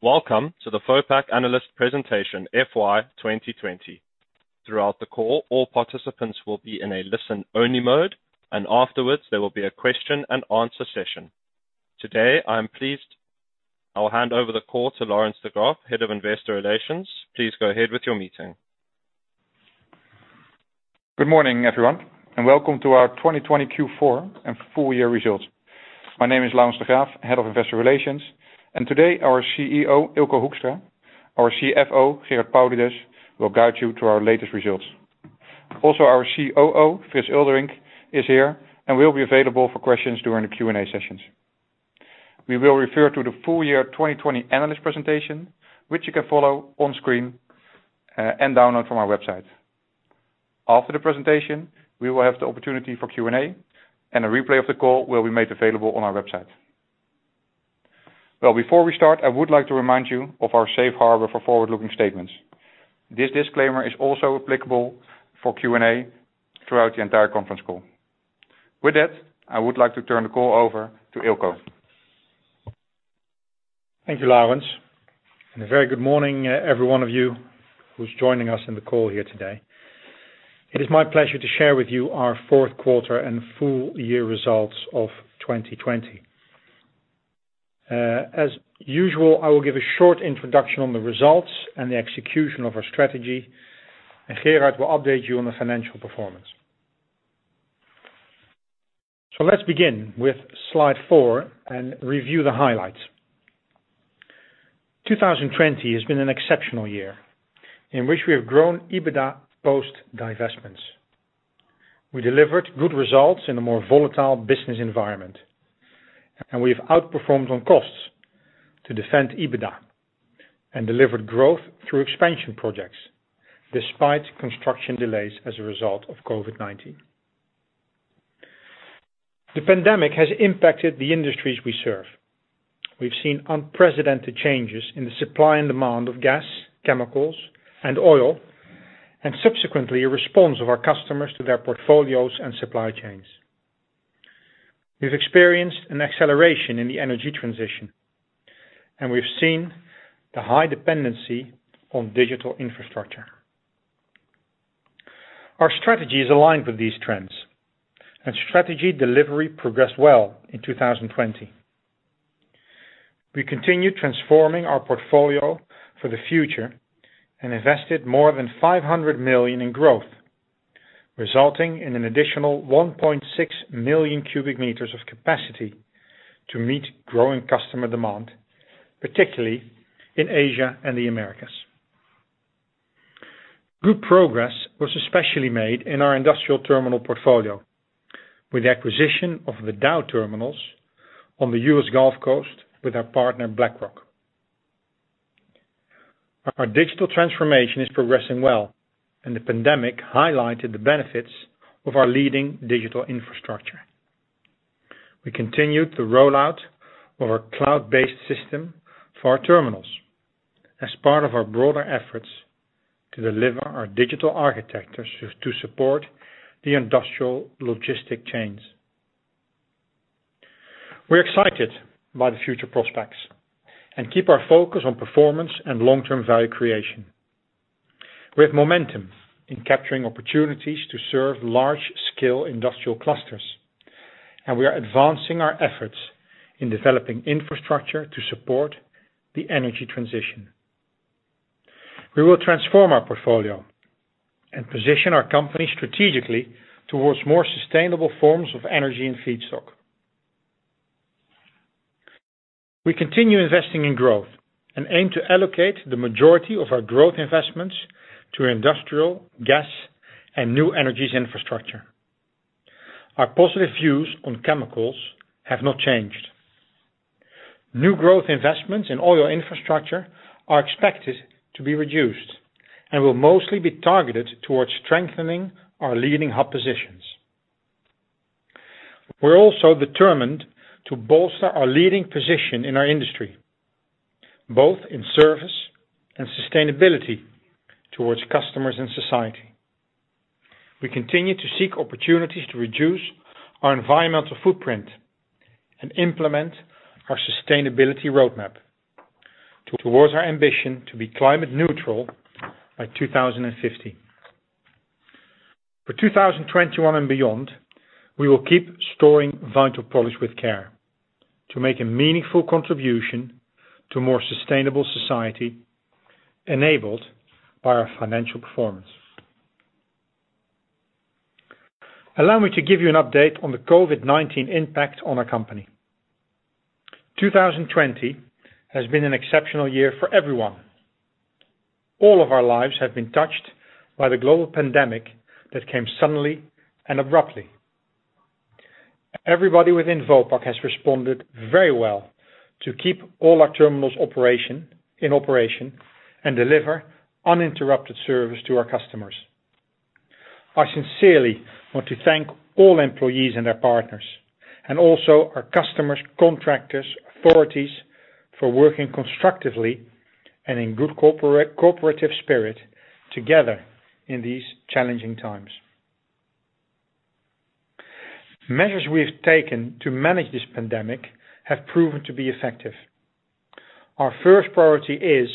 Welcome to the Vopak Analyst Presentation FY 2020. Throughout the call, all participants will be in a listen-only mode, and afterwards there will be a question and answer session. Today, I'll hand over the call to Laurens de Graaf, Head of Investor Relations. Please go ahead with your meeting. Good morning, everyone, and welcome to our 2020 Q4 and full-year results. My name is Laurens de Graaf, Head of Investor Relations, and today our CEO, Eelco Hoekstra, our CFO, Gerard Paulides, will guide you through our latest results. Also, our COO, Frits Eulderink, is here and will be available for questions during the Q&A sessions. We will refer to the full year 2020 analyst presentation, which you can follow on screen and download from our website. After the presentation, we will have the opportunity for Q&A, and a replay of the call will be made available on our website. Well, before we start, I would like to remind you of our safe harbor for forward-looking statements. This disclaimer is also applicable for Q&A throughout the entire conference call. With that, I would like to turn the call over to Eelco. Thank you, Laurens. A very good morning, every one of you who's joining us on the call here today. It is my pleasure to share with you our fourth quarter and full-year results of 2020. As usual, I will give a short introduction on the results and the execution of our strategy, and Gerard will update you on the financial performance. Let's begin with slide 4 and review the highlights. 2020 has been an exceptional year in which we have grown EBITDA post-divestments. We delivered good results in a more volatile business environment. We've outperformed on costs to defend EBITDA and delivered growth through expansion projects despite construction delays as a result of COVID-19. The pandemic has impacted the industries we serve. We've seen unprecedented changes in the supply and demand of gas, chemicals, and oil, and subsequently, a response of our customers to their portfolios and supply chains. We've experienced an acceleration in the energy transition, and we've seen the high dependency on digital infrastructure. Our strategy is aligned with these trends, and strategy delivery progressed well in 2020. We continued transforming our portfolio for the future and invested more than 500 million in growth, resulting in an additional 1.6 million cubic meters of capacity to meet growing customer demand, particularly in Asia and the Americas. Good progress was especially made in our industrial terminal portfolio with the acquisition of the Dow Terminals on the U.S. Gulf Coast with our partner BlackRock. Our digital transformation is progressing well, and the pandemic highlighted the benefits of our leading digital infrastructure. We continued the rollout of our cloud-based system for our terminals as part of our broader efforts to deliver our digital architectures to support the industrial logistic chains. We're excited by the future prospects and keep our focus on performance and long-term value creation. We have momentum in capturing opportunities to serve large-scale industrial clusters, and we are advancing our efforts in developing infrastructure to support the energy transition. We will transform our portfolio and position our company strategically towards more sustainable forms of energy and feedstock. We continue investing in growth and aim to allocate the majority of our growth investments to industrial, gas, and new energies infrastructure. Our positive views on chemicals have not changed. New growth investments in oil infrastructure are expected to be reduced and will mostly be targeted towards strengthening our leading hub positions. We're also determined to bolster our leading position in our industry, both in service and sustainability towards customers and society. We continue to seek opportunities to reduce our environmental footprint and implement our sustainability roadmap towards our ambition to be climate neutral by 2050. For 2021 and beyond, we will keep storing vital products with care to make a meaningful contribution to a more sustainable society enabled by our financial performance. Allow me to give you an update on the COVID-19 impact on our company. 2020 has been an exceptional year for everyone. All of our lives have been touched by the global pandemic that came suddenly and abruptly. Everybody within Vopak has responded very well to keep all our terminals in operation and deliver uninterrupted service to our customers. I sincerely want to thank all employees and their partners, and also our customers, contractors, authorities, for working constructively and in good cooperative spirit together in these challenging times. Measures we have taken to manage this pandemic have proven to be effective. Our first priority is,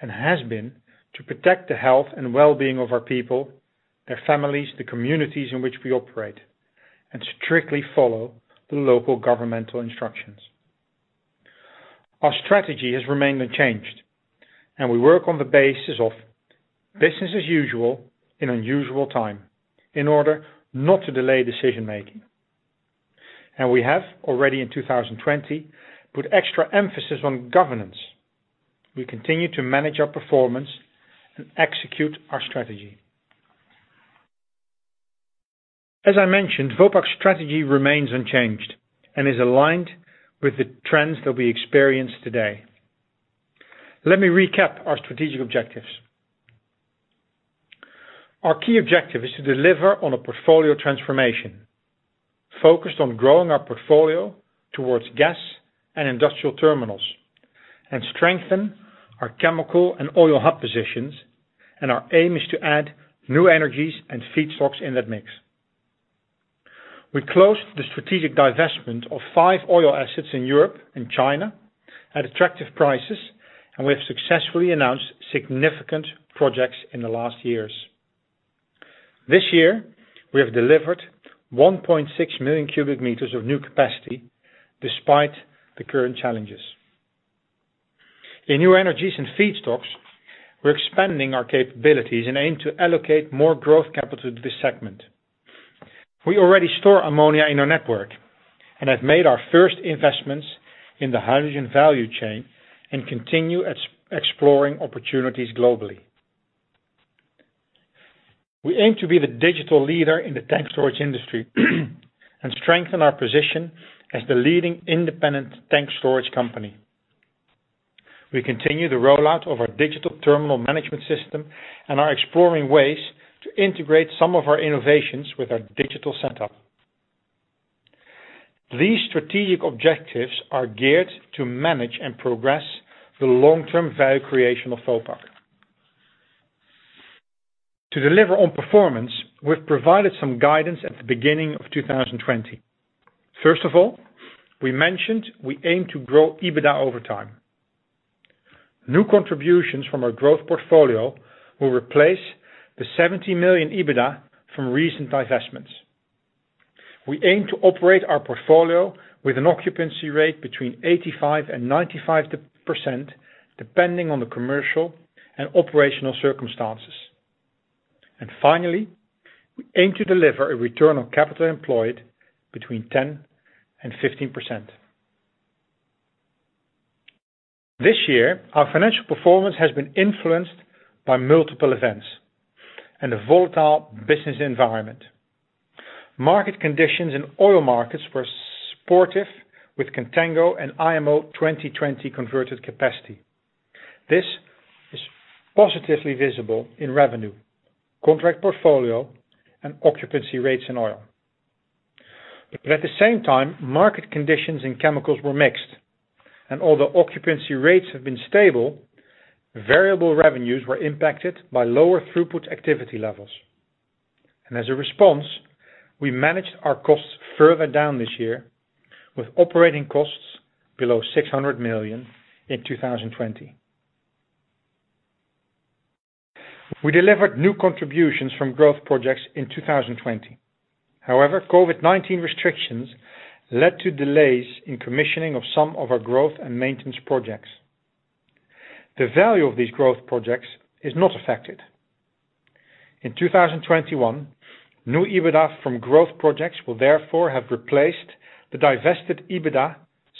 and has been, to protect the health and wellbeing of our people, their families, the communities in which we operate, and strictly follow the local governmental instructions. Our strategy has remained unchanged, and we work on the basis of business as usual in an unusual time, in order not to delay decision-making. We have, already in 2020, put extra emphasis on governance. We continue to manage our performance and execute our strategy. As I mentioned, Vopak's strategy remains unchanged and is aligned with the trends that we experience today. Let me recap our strategic objectives. Our key objective is to deliver on a portfolio transformation focused on growing our portfolio towards gas and industrial terminals and strengthen our chemical and oil hub positions, and our aim is to add new energies and feedstocks in that mix. We closed the strategic divestment of five oil assets in Europe and China at attractive prices, and we have successfully announced significant projects in the last years. This year, we have delivered 1.6 million cubic meters of new capacity despite the current challenges. In new energies and feedstocks, we are expanding our capabilities and aim to allocate more growth capital to this segment. We already store ammonia in our network and have made our first investments in the hydrogen value chain and continue exploring opportunities globally. We aim to be the digital leader in the tank storage industry and strengthen our position as the leading independent tank storage company. We continue the rollout of our Vopak Digital Terminal Management and are exploring ways to integrate some of our innovations with our digital setup. These strategic objectives are geared to manage and progress the long-term value creation of Vopak. To deliver on performance, we've provided some guidance at the beginning of 2020. First of all, we mentioned we aim to grow EBITDA over time. New contributions from our growth portfolio will replace the 70 million EBITDA from recent divestments. We aim to operate our portfolio with an occupancy rate between 85% and 95%, depending on the commercial and operational circumstances. Finally, we aim to deliver a Return on Capital Employed between 10% and 15%. This year, our financial performance has been influenced by multiple events and a volatile business environment. Market conditions in oil markets were supportive with contango and IMO 2020 converted capacity. This is positively visible in revenue, contract portfolio, and occupancy rates in oil. At the same time, market conditions in chemicals were mixed, and although occupancy rates have been stable, variable revenues were impacted by lower throughput activity levels. As a response, we managed our costs further down this year with operating costs below 600 million in 2020. We delivered new contributions from growth projects in 2020. However, COVID-19 restrictions led to delays in commissioning of some of our growth and maintenance projects. The value of these growth projects is not affected. In 2021, new EBITDA from growth projects will therefore have replaced the divested EBITDA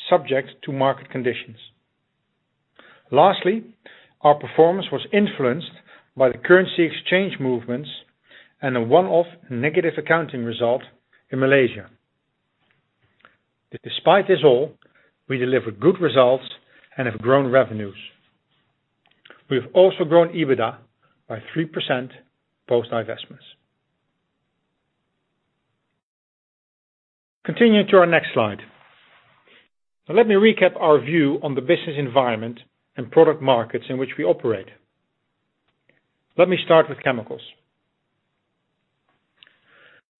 subject to market conditions. Lastly, our performance was influenced by the currency exchange movements and a one-off negative accounting result in Malaysia. Despite this all, we delivered good results and have grown revenues. We have also grown EBITDA by 3% post-divestments. Continuing to our next slide. Let me recap our view on the business environment and product markets in which we operate. Let me start with chemicals.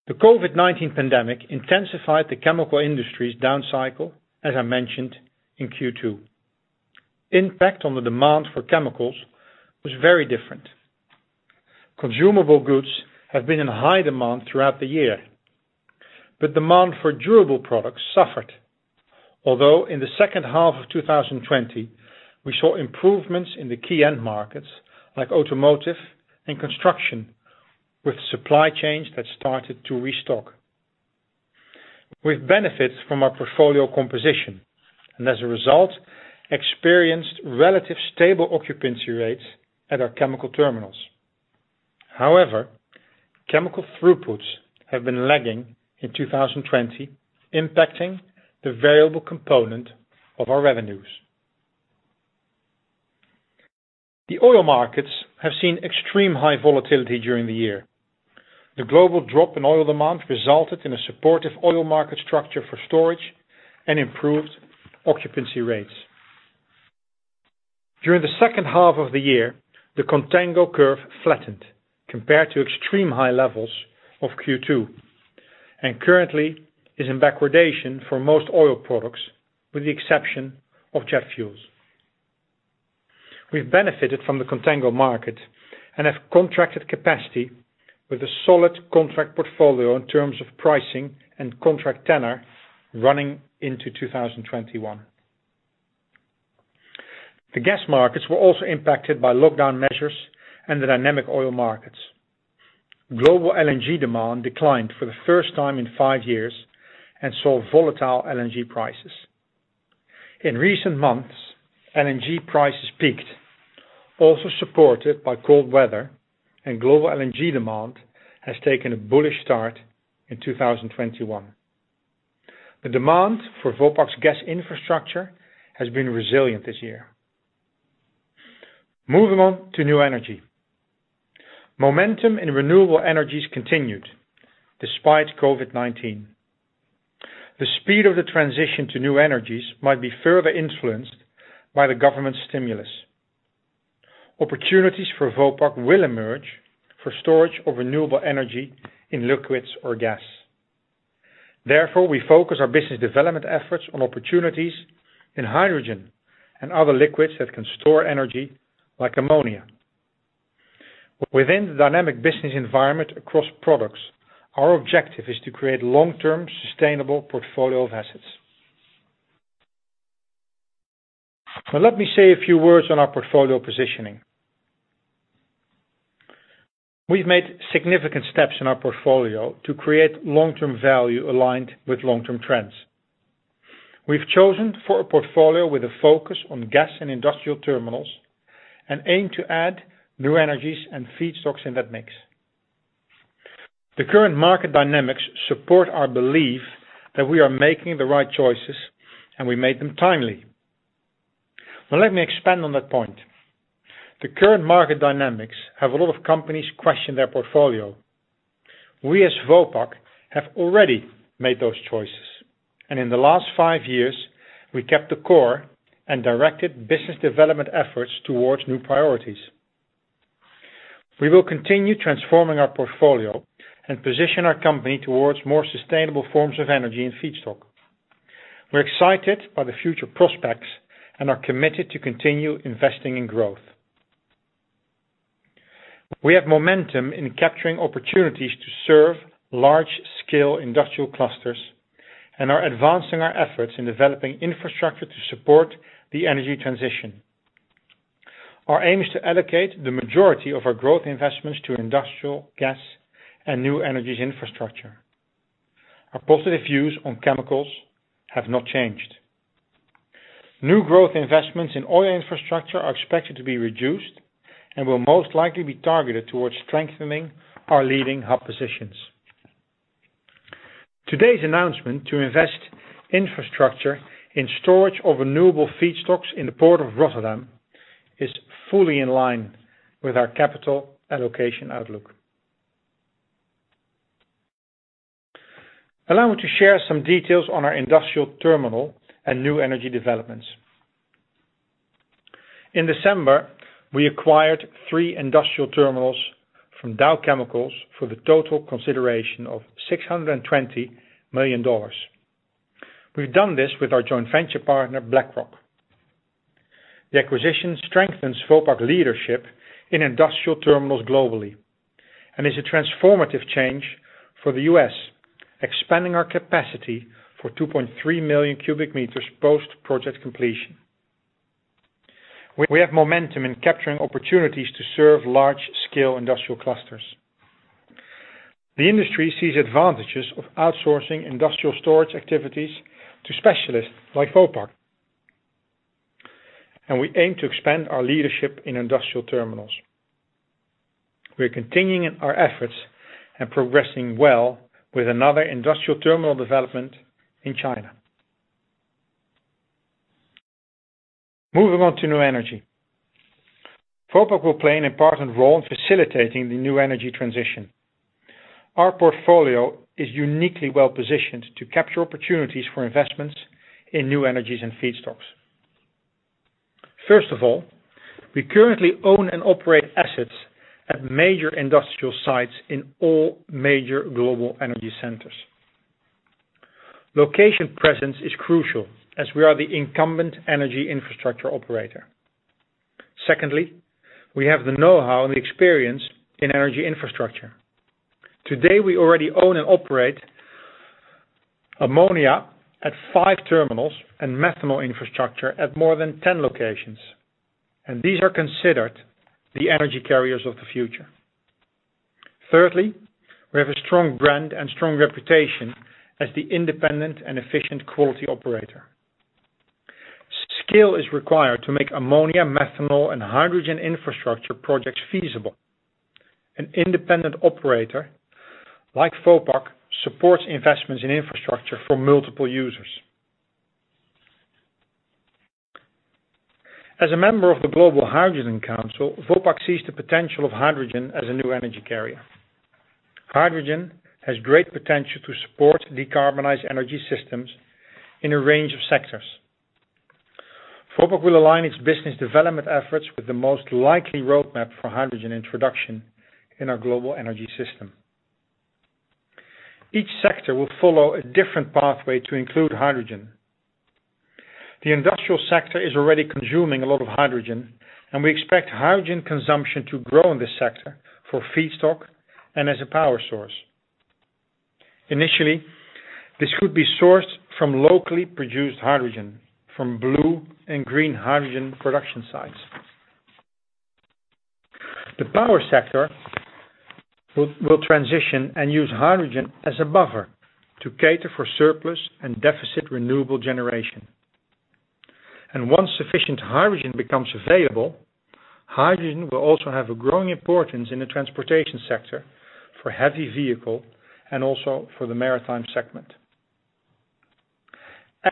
The COVID-19 pandemic intensified the chemical industry's down cycle, as I mentioned in Q2. Impact on the demand for chemicals was very different. Consumable goods have been in high demand throughout the year, but demand for durable products suffered. In the second half of 2020, we saw improvements in the key end markets like automotive and construction with supply chains that started to restock. We've benefited from our portfolio composition and as a result, experienced relative stable occupancy rates at our chemical terminals. However, chemical throughputs have been lagging in 2020, impacting the variable component of our revenues. The oil markets have seen extreme high volatility during the year. The global drop in oil demand resulted in a supportive oil market structure for storage and improved occupancy rates. During the second half of the year, the contango curve flattened compared to extreme high levels of Q2 and currently is in backwardation for most oil products with the exception of jet fuels. We've benefited from the contango market and have contracted capacity with a solid contract portfolio in terms of pricing and contract tenor running into 2021. The gas markets were also impacted by lockdown measures and the dynamic oil markets. Global LNG demand declined for the first time in five years and saw volatile LNG prices. In recent months, LNG prices peaked, also supported by cold weather, and global LNG demand has taken a bullish start in 2021. The demand for Vopak's gas infrastructure has been resilient this year. Moving on to new energy. Momentum in renewable energies continued despite COVID-19. The speed of the transition to new energies might be further influenced by the government stimulus. Opportunities for Vopak will emerge for storage of renewable energy in liquids or gas. Therefore, we focus our business development efforts on opportunities in hydrogen and other liquids that can store energy, like ammonia. Within the dynamic business environment across products, our objective is to create long-term sustainable portfolio of assets. Let me say a few words on our portfolio positioning. We've made significant steps in our portfolio to create long-term value aligned with long-term trends. We've chosen for a portfolio with a focus on gas and industrial terminals and aim to add new energies and feedstocks in that mix. The current market dynamics support our belief that we are making the right choices, and we made them timely. Well, let me expand on that point. The current market dynamics have a lot of companies question their portfolio. We, as Vopak, have already made those choices, and in the last five years, we kept the core and directed business development efforts towards new priorities. We will continue transforming our portfolio and position our company towards more sustainable forms of energy and feedstock. We're excited by the future prospects and are committed to continue investing in growth. We have momentum in capturing opportunities to serve large-scale industrial clusters and are advancing our efforts in developing infrastructure to support the energy transition. Our aim is to allocate the majority of our growth investments to industrial gas and new energies infrastructure. Our positive views on chemicals have not changed. New growth investments in oil infrastructure are expected to be reduced and will most likely be targeted towards strengthening our leading hub positions. Today's announcement to invest infrastructure in storage of renewable feedstocks in the Port of Rotterdam is fully in line with our capital allocation outlook. Allow me to share some details on our industrial terminal and new energy developments. In December, we acquired three industrial terminals from Dow for the total consideration of $620 million. We've done this with our joint venture partner, BlackRock. The acquisition strengthens Vopak leadership in industrial terminals globally and is a transformative change for the U.S., expanding our capacity for 2.3 million cubic meters post project completion. We have momentum in capturing opportunities to serve large-scale industrial clusters. The industry sees advantages of outsourcing industrial storage activities to specialists like Vopak. We aim to expand our leadership in industrial terminals. We're continuing our efforts and progressing well with another industrial terminal development in China. Moving on to new energy. Vopak will play an important role in facilitating the new energy transition. Our portfolio is uniquely well positioned to capture opportunities for investments in new energies and feedstocks. First of all, we currently own and operate assets at major industrial sites in all major global energy centers. Location presence is crucial as we are the incumbent energy infrastructure operator. Secondly, we have the know-how and the experience in energy infrastructure. Today, we already own and operate ammonia at five terminals and methanol infrastructure at more than 10 locations. These are considered the energy carriers of the future. Thirdly, we have a strong brand and strong reputation as the independent and efficient quality operator. Skill is required to make ammonia, methanol, and hydrogen infrastructure projects feasible. An independent operator like Vopak supports investments in infrastructure for multiple users. As a member of the Global Hydrogen Council, Vopak sees the potential of hydrogen as a new energy carrier. Hydrogen has great potential to support decarbonized energy systems in a range of sectors. Vopak will align its business development efforts with the most likely roadmap for hydrogen introduction in our global energy system. Each sector will follow a different pathway to include hydrogen. The industrial sector is already consuming a lot of hydrogen, and we expect hydrogen consumption to grow in this sector for feedstock and as a power source. Initially, this would be sourced from locally produced hydrogen, from blue and green hydrogen production sites. The power sector will transition and use hydrogen as a buffer to cater for surplus and deficit renewable generation. Once sufficient hydrogen becomes available, hydrogen will also have a growing importance in the transportation sector for heavy vehicle and also for the maritime segment.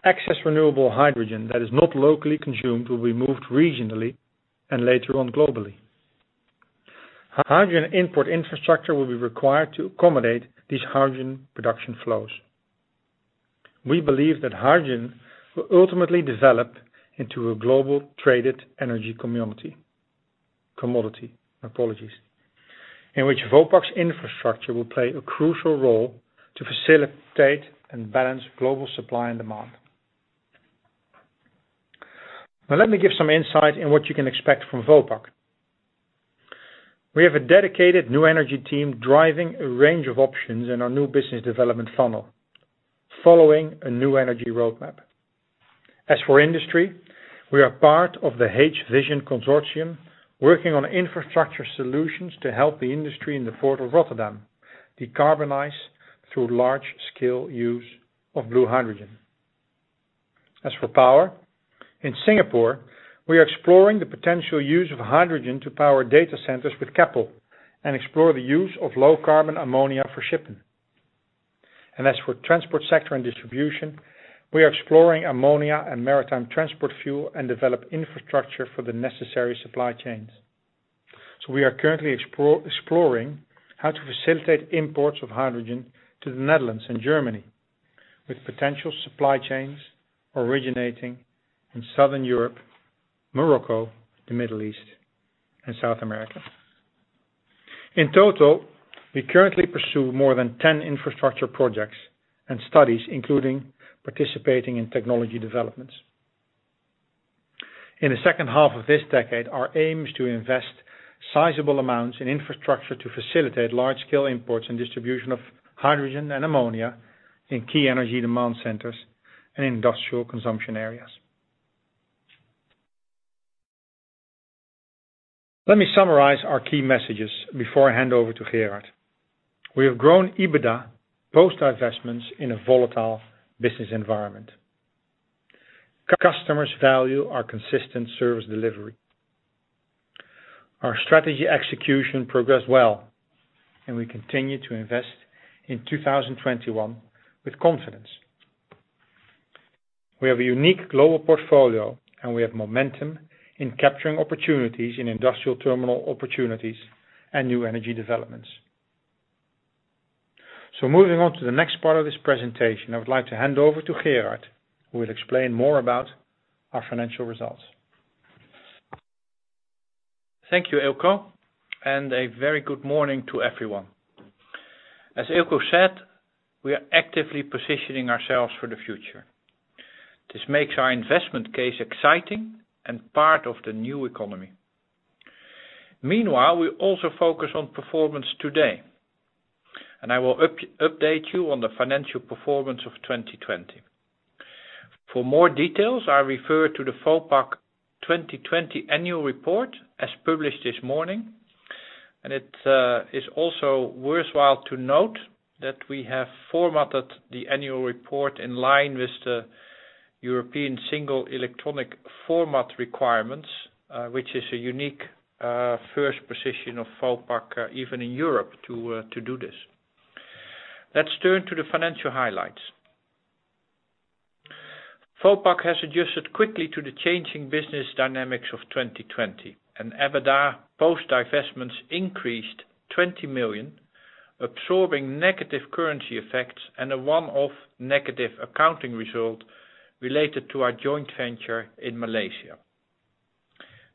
Excess renewable hydrogen that is not locally consumed will be moved regionally and later on globally. Hydrogen import infrastructure will be required to accommodate these hydrogen production flows. We believe that hydrogen will ultimately develop into a global traded energy commodity. In which Vopak's infrastructure will play a crucial role to facilitate and balance global supply and demand. Let me give some insight in what you can expect from Vopak. We have a dedicated new energy team driving a range of options in our new business development funnel, following a new energy roadmap. As for industry, we are part of the H-Vision consortium, working on infrastructure solutions to help the industry in the port of Rotterdam decarbonize through large-scale use of blue hydrogen. As for power, in Singapore, we are exploring the potential use of hydrogen to power data centers with Keppel and explore the use of low-carbon ammonia for shipping. As for transport sector and distribution, we are exploring ammonia and maritime transport fuel and develop infrastructure for the necessary supply chains. We are currently exploring how to facilitate imports of hydrogen to the Netherlands and Germany, with potential supply chains originating in Southern Europe, Morocco, the Middle East and South America. In total, we currently pursue more than 10 infrastructure projects and studies, including participating in technology developments. In the second half of this decade, our aim is to invest sizable amounts in infrastructure to facilitate large-scale imports and distribution of hydrogen and ammonia in key energy demand centers and industrial consumption areas. Let me summarize our key messages before I hand over to Gerard. We have grown EBITDA post-divestments in a volatile business environment. Customers value our consistent service delivery. Our strategy execution progressed well, and we continue to invest in 2021 with confidence. We have a unique global portfolio, and we have momentum in capturing opportunities in industrial terminal opportunities and new energy developments. Moving on to the next part of this presentation, I would like to hand over to Gerard, who will explain more about our financial results. Thank you, Eelco. A very good morning to everyone. As Eelco said, we are actively positioning ourselves for the future. This makes our investment case exciting and part of the new economy. Meanwhile, we also focus on performance today, and I will update you on the financial performance of 2020. For more details, I refer to the Vopak 2020 Annual Report, as published this morning. It is also worthwhile to note that we have formatted the annual report in line with the European Single Electronic Format requirements, which is a unique first position of Vopak, even in Europe, to do this. Let's turn to the financial highlights. Vopak has adjusted quickly to the changing business dynamics of 2020, and EBITDA post divestments increased 20 million, absorbing negative currency effects and a one-off negative accounting result related to our joint venture in Malaysia.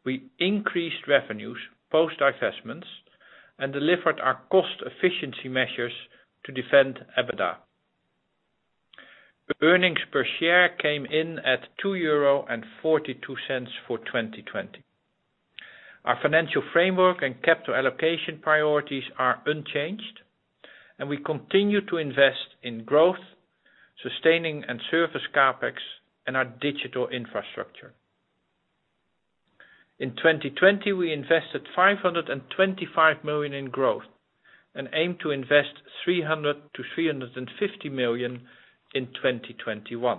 We increased revenues, post divestments, and delivered our cost efficiency measures to defend EBITDA. Earnings per share came in at 2.42 euro for 2020. Our financial framework and capital allocation priorities are unchanged, and we continue to invest in growth, sustaining and service CapEx and our digital infrastructure. In 2020, we invested 525 million in growth and aim to invest 300 million-350 million in 2021.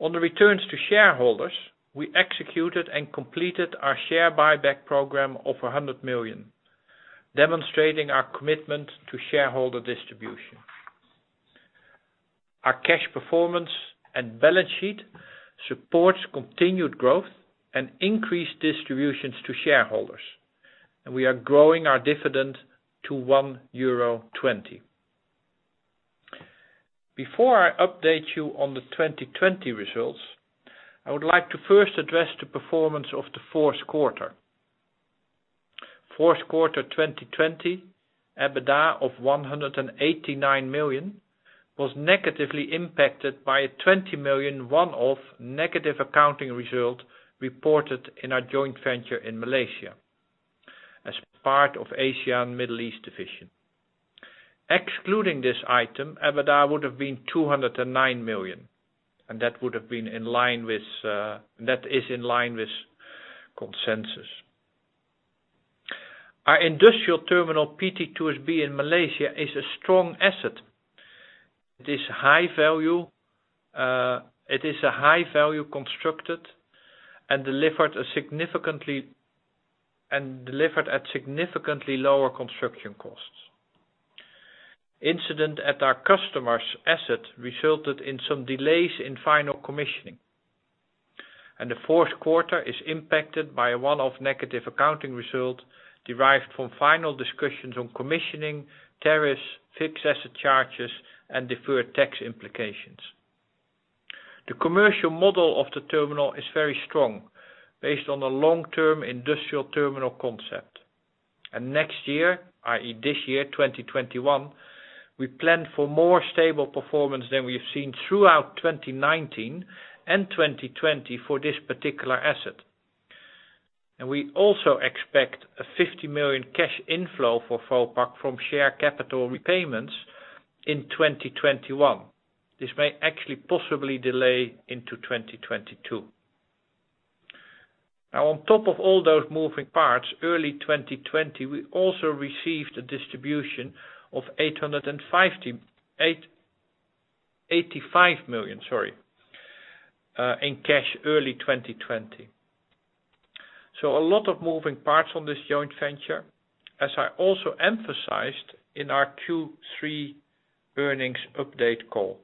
On the returns to shareholders, we executed and completed our share buyback program of 100 million, demonstrating our commitment to shareholder distribution. Our cash performance and balance sheet supports continued growth and increased distributions to shareholders, and we are growing our dividend to 1.20 euro. Before I update you on the 2020 results, I would like to first address the performance of the fourth quarter. Fourth quarter 2020, EBITDA of 189 million was negatively impacted by a 20 million one-off negative accounting result reported in our joint venture in Malaysia as part of Asia and Middle East division. Excluding this item, EBITDA would have been 209 million. That is in line with consensus. Our industrial terminal, PT2SB in Malaysia, is a strong asset. It is a high value constructed and delivered at significantly lower construction costs. Incident at our customer's asset resulted in some delays in final commissioning. The fourth quarter is impacted by a one-off negative accounting result derived from final discussions on commissioning tariffs, fixed asset charges, and deferred tax implications. The commercial model of the terminal is very strong, based on a long-term industrial terminal concept. Next year, i.e., this year, 2021, we plan for more stable performance than we've seen throughout 2019 and 2020 for this particular asset. We also expect a 50 million cash inflow for Vopak from share capital repayments in 2021. This may actually possibly delay into 2022. On top of all those moving parts, early 2020, we also received a distribution of 85 million in cash early 2020. A lot of moving parts on this joint venture, as I also emphasized in our Q3 earnings update call.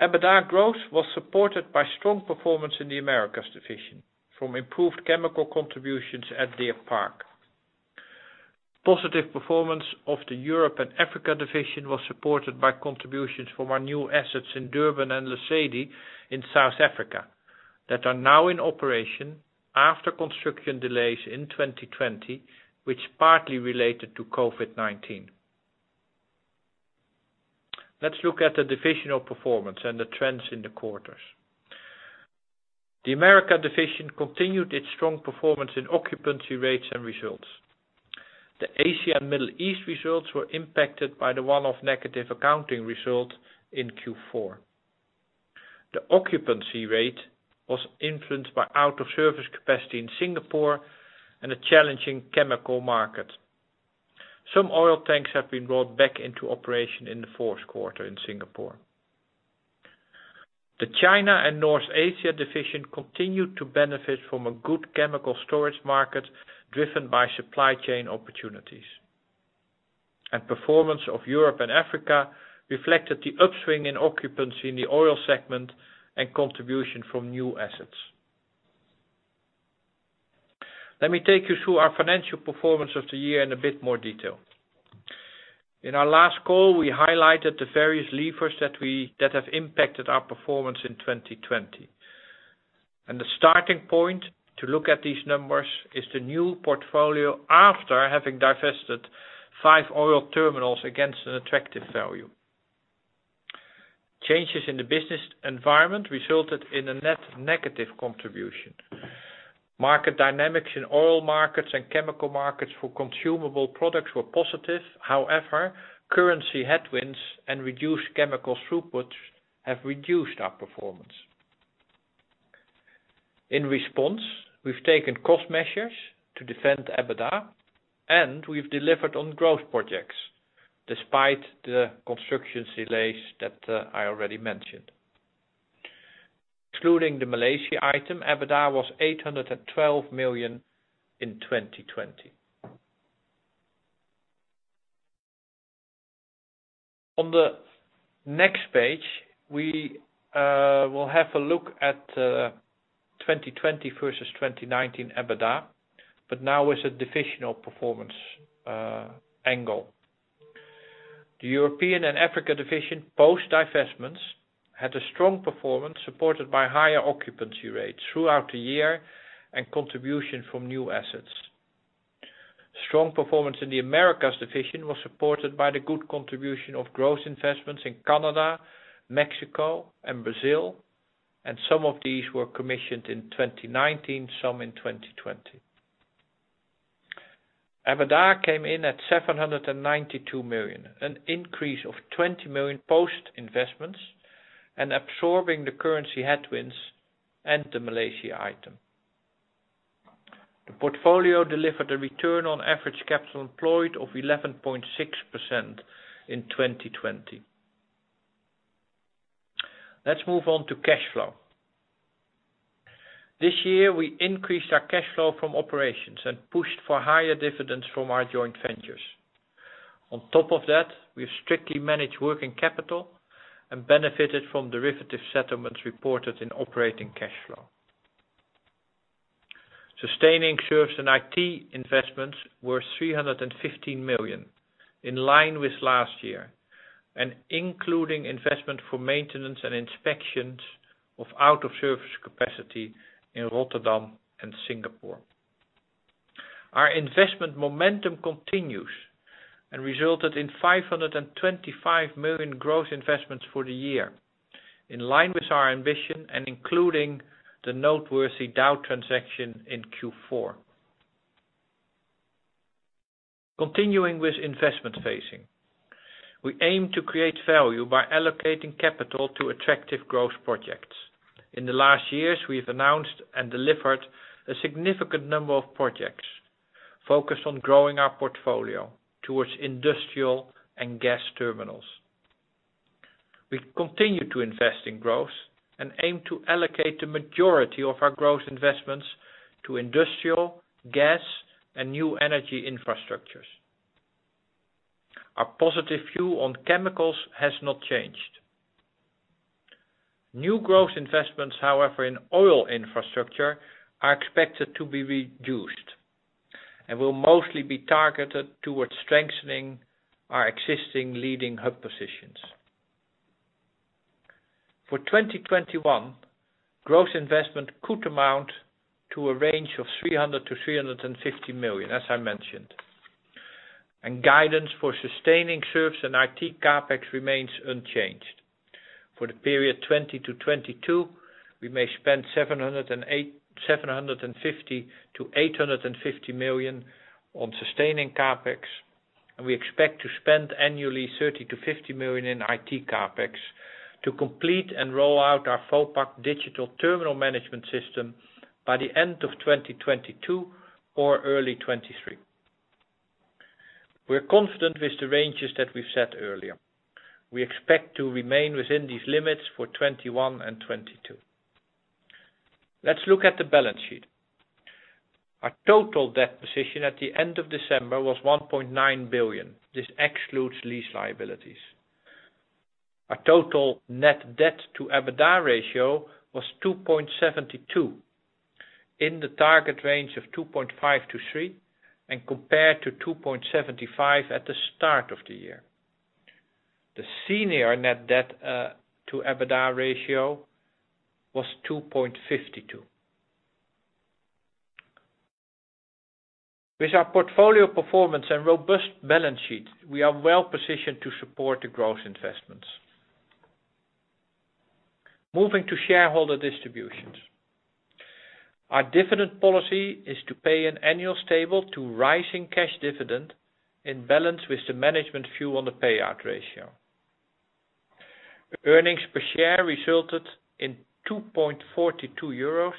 EBITDA growth was supported by strong performance in the Americas division from improved chemical contributions at Deer Park. Positive performance of the Europe and Africa division was supported by contributions from our new assets in Durban and Lesedi in South Africa that are now in operation after construction delays in 2020, which partly related to COVID-19. Let's look at the divisional performance and the trends in the quarters. The America division continued its strong performance in occupancy rates and results. The Asia and Middle East results were impacted by the one-off negative accounting result in Q4. The occupancy rate was influenced by out of service capacity in Singapore and a challenging chemical market. Some oil tanks have been brought back into operation in the fourth quarter in Singapore. The China and North Asia division continued to benefit from a good chemical storage market, driven by supply chain opportunities. Performance of Europe and Africa reflected the upswing in occupancy in the oil segment and contribution from new assets. Let me take you through our financial performance of the year in a bit more detail. In our last call, we highlighted the various levers that have impacted our performance in 2020. The starting point to look at these numbers is the new portfolio after having divested five oil terminals against an attractive value. Changes in the business environment resulted in a net negative contribution. Market dynamics in oil markets and chemical markets for consumable products were positive. However, currency headwinds and reduced chemical throughputs have reduced our performance. We've taken cost measures to defend EBITDA, and we've delivered on growth projects despite the construction delays that I already mentioned. Excluding the Malaysia item, EBITDA was 812 million in 2020. On the next page, we will have a look at 2020 versus 2019 EBITDA, but now with a divisional performance angle. The European and Africa division post-divestments had a strong performance, supported by higher occupancy rates throughout the year and contribution from new assets. Strong performance in the Americas division was supported by the good contribution of growth investments in Canada, Mexico, and Brazil, and some of these were commissioned in 2019, some in 2020. EBITDA came in at 792 million, an increase of 20 million post investments, and absorbing the currency headwinds and the Malaysia item. The portfolio delivered a return on average capital employed of 11.6% in 2020. Let's move on to cash flow. This year, we increased our cash flow from operations and pushed for higher dividends from our joint ventures. On top of that, we strictly managed working capital and benefited from derivative settlements reported in operating cash flow. Sustaining service and IT investments were 315 million, in line with last year, and including investment for maintenance and inspections of out-of-service capacity in Rotterdam and Singapore. Our investment momentum continues and resulted in 525 million growth investments for the year, in line with our ambition and including the noteworthy Dow transaction in Q4. Continuing with investment phasing. We aim to create value by allocating capital to attractive growth projects. In the last years, we've announced and delivered a significant number of projects focused on growing our portfolio towards industrial and gas terminals. We continue to invest in growth and aim to allocate the majority of our growth investments to industrial, gas, and new energy infrastructures. Our positive view on chemicals has not changed. New growth investments, however, in oil infrastructure are expected to be reduced and will mostly be targeted towards strengthening our existing leading hub positions. For 2021, growth investment could amount to a range of 300 million-350 million, as I mentioned. Guidance for sustaining service and IT CapEx remains unchanged. For the period 2020-2022, we may spend 750 million-850 million on sustaining CapEx, and we expect to spend annually 30 million-50 million in IT CapEx to complete and roll out our Vopak Digital Terminal Management system by the end of 2022 or early 2023. We're confident with the ranges that we've set earlier. We expect to remain within these limits for 2021 and 2022. Let's look at the balance sheet. Our total debt position at the end of December was 1.9 billion. This excludes lease liabilities. Our total net debt to EBITDA ratio was 2.72, in the target range of 2.5-3, and compared to 2.75 at the start of the year. The senior net debt to EBITDA ratio was 2.52. With our portfolio performance and robust balance sheet, we are well-positioned to support the growth investments. Moving to shareholder distributions. Our dividend policy is to pay an annual stable to rising cash dividend in balance with the management view on the payout ratio. Earnings per share resulted in 2.42 euros,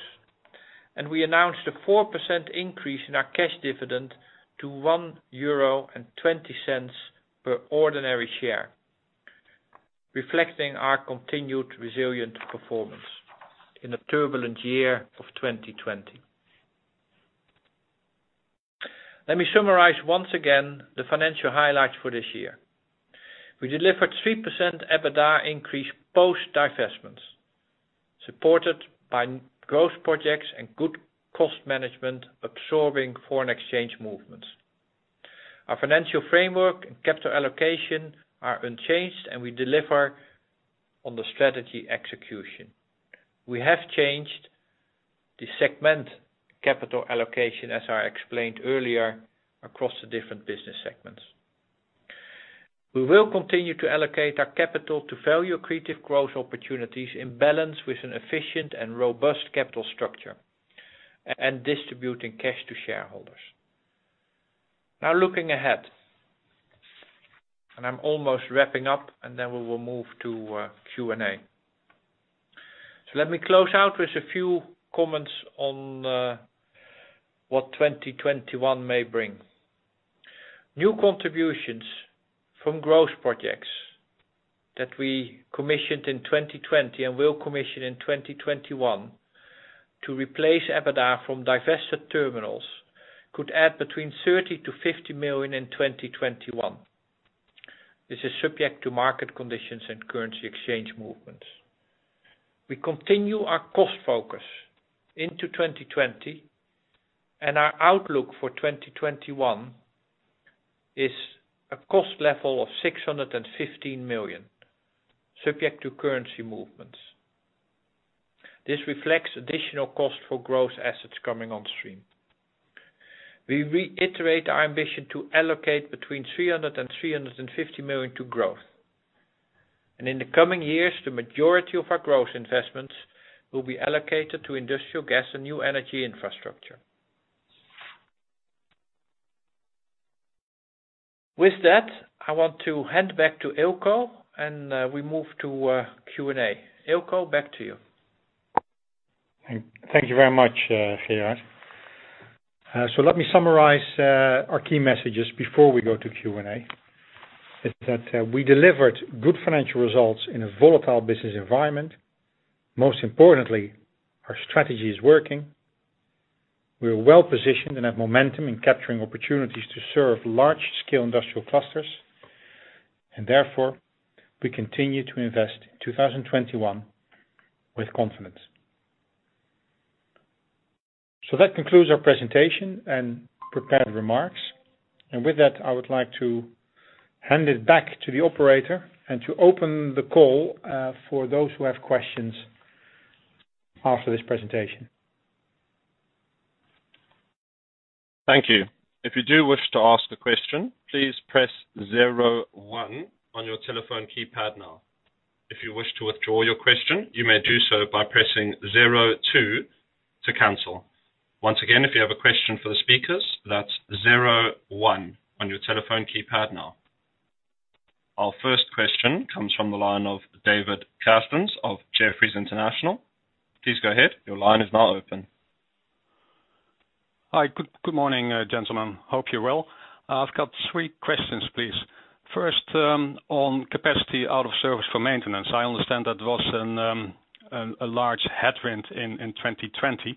and we announced a 4% increase in our cash dividend to 1.20 euro per ordinary share, reflecting our continued resilient performance in the turbulent year of 2020. Let me summarize once again the financial highlights for this year. We delivered 3% EBITDA increase post-divestments, supported by growth projects and good cost management, absorbing foreign exchange movements. Our financial framework and capital allocation are unchanged, and we deliver on the strategy execution. We have changed the segment capital allocation, as I explained earlier, across the different business segments. We will continue to allocate our capital to value accretive growth opportunities in balance with an efficient and robust capital structure and distributing cash to shareholders. Now looking ahead, and I'm almost wrapping up and then we will move to Q&A. Let me close out with a few comments on what 2021 may bring. New contributions from growth projects that we commissioned in 2020 and will commission in 2021 to replace EBITDA from divested terminals could add between 30 million-50 million in 2021. This is subject to market conditions and currency exchange movements. We continue our cost focus into 2020. Our outlook for 2021 is a cost level of 615 million, subject to currency movements. This reflects additional cost for growth assets coming on stream. We reiterate our ambition to allocate between 300 million and 350 million to growth. In the coming years, the majority of our growth investments will be allocated to industrial gas and new energy infrastructure. With that, I want to hand back to Eelco. We move to Q&A. Eelco, back to you. Thank you very much, Gerard. Let me summarize our key messages before we go to Q&A. Is that we delivered good financial results in a volatile business environment. Most importantly, our strategy is working. We are well-positioned and have momentum in capturing opportunities to serve large-scale industrial clusters, and therefore, we continue to invest in 2021 with confidence. That concludes our presentation and prepared remarks. With that, I would like to hand it back to the operator and to open the call for those who have questions after this presentation. Thank you. If you do wish to ask a question, please press zero one on your telephone keypad now. If you wish to withdraw your question, you may do so by pressing zero two to cancel. Once again, if you have a question for speakers that's zero one on your telephone keypad now. Our first question comes from the line of David Kerstens of Jefferies International. Please go ahead. Your line is now open. Hi. Good morning, gentlemen. Hope you're well. I've got three questions, please. First, on capacity out of service for maintenance. I understand that was a large headwind in 2020.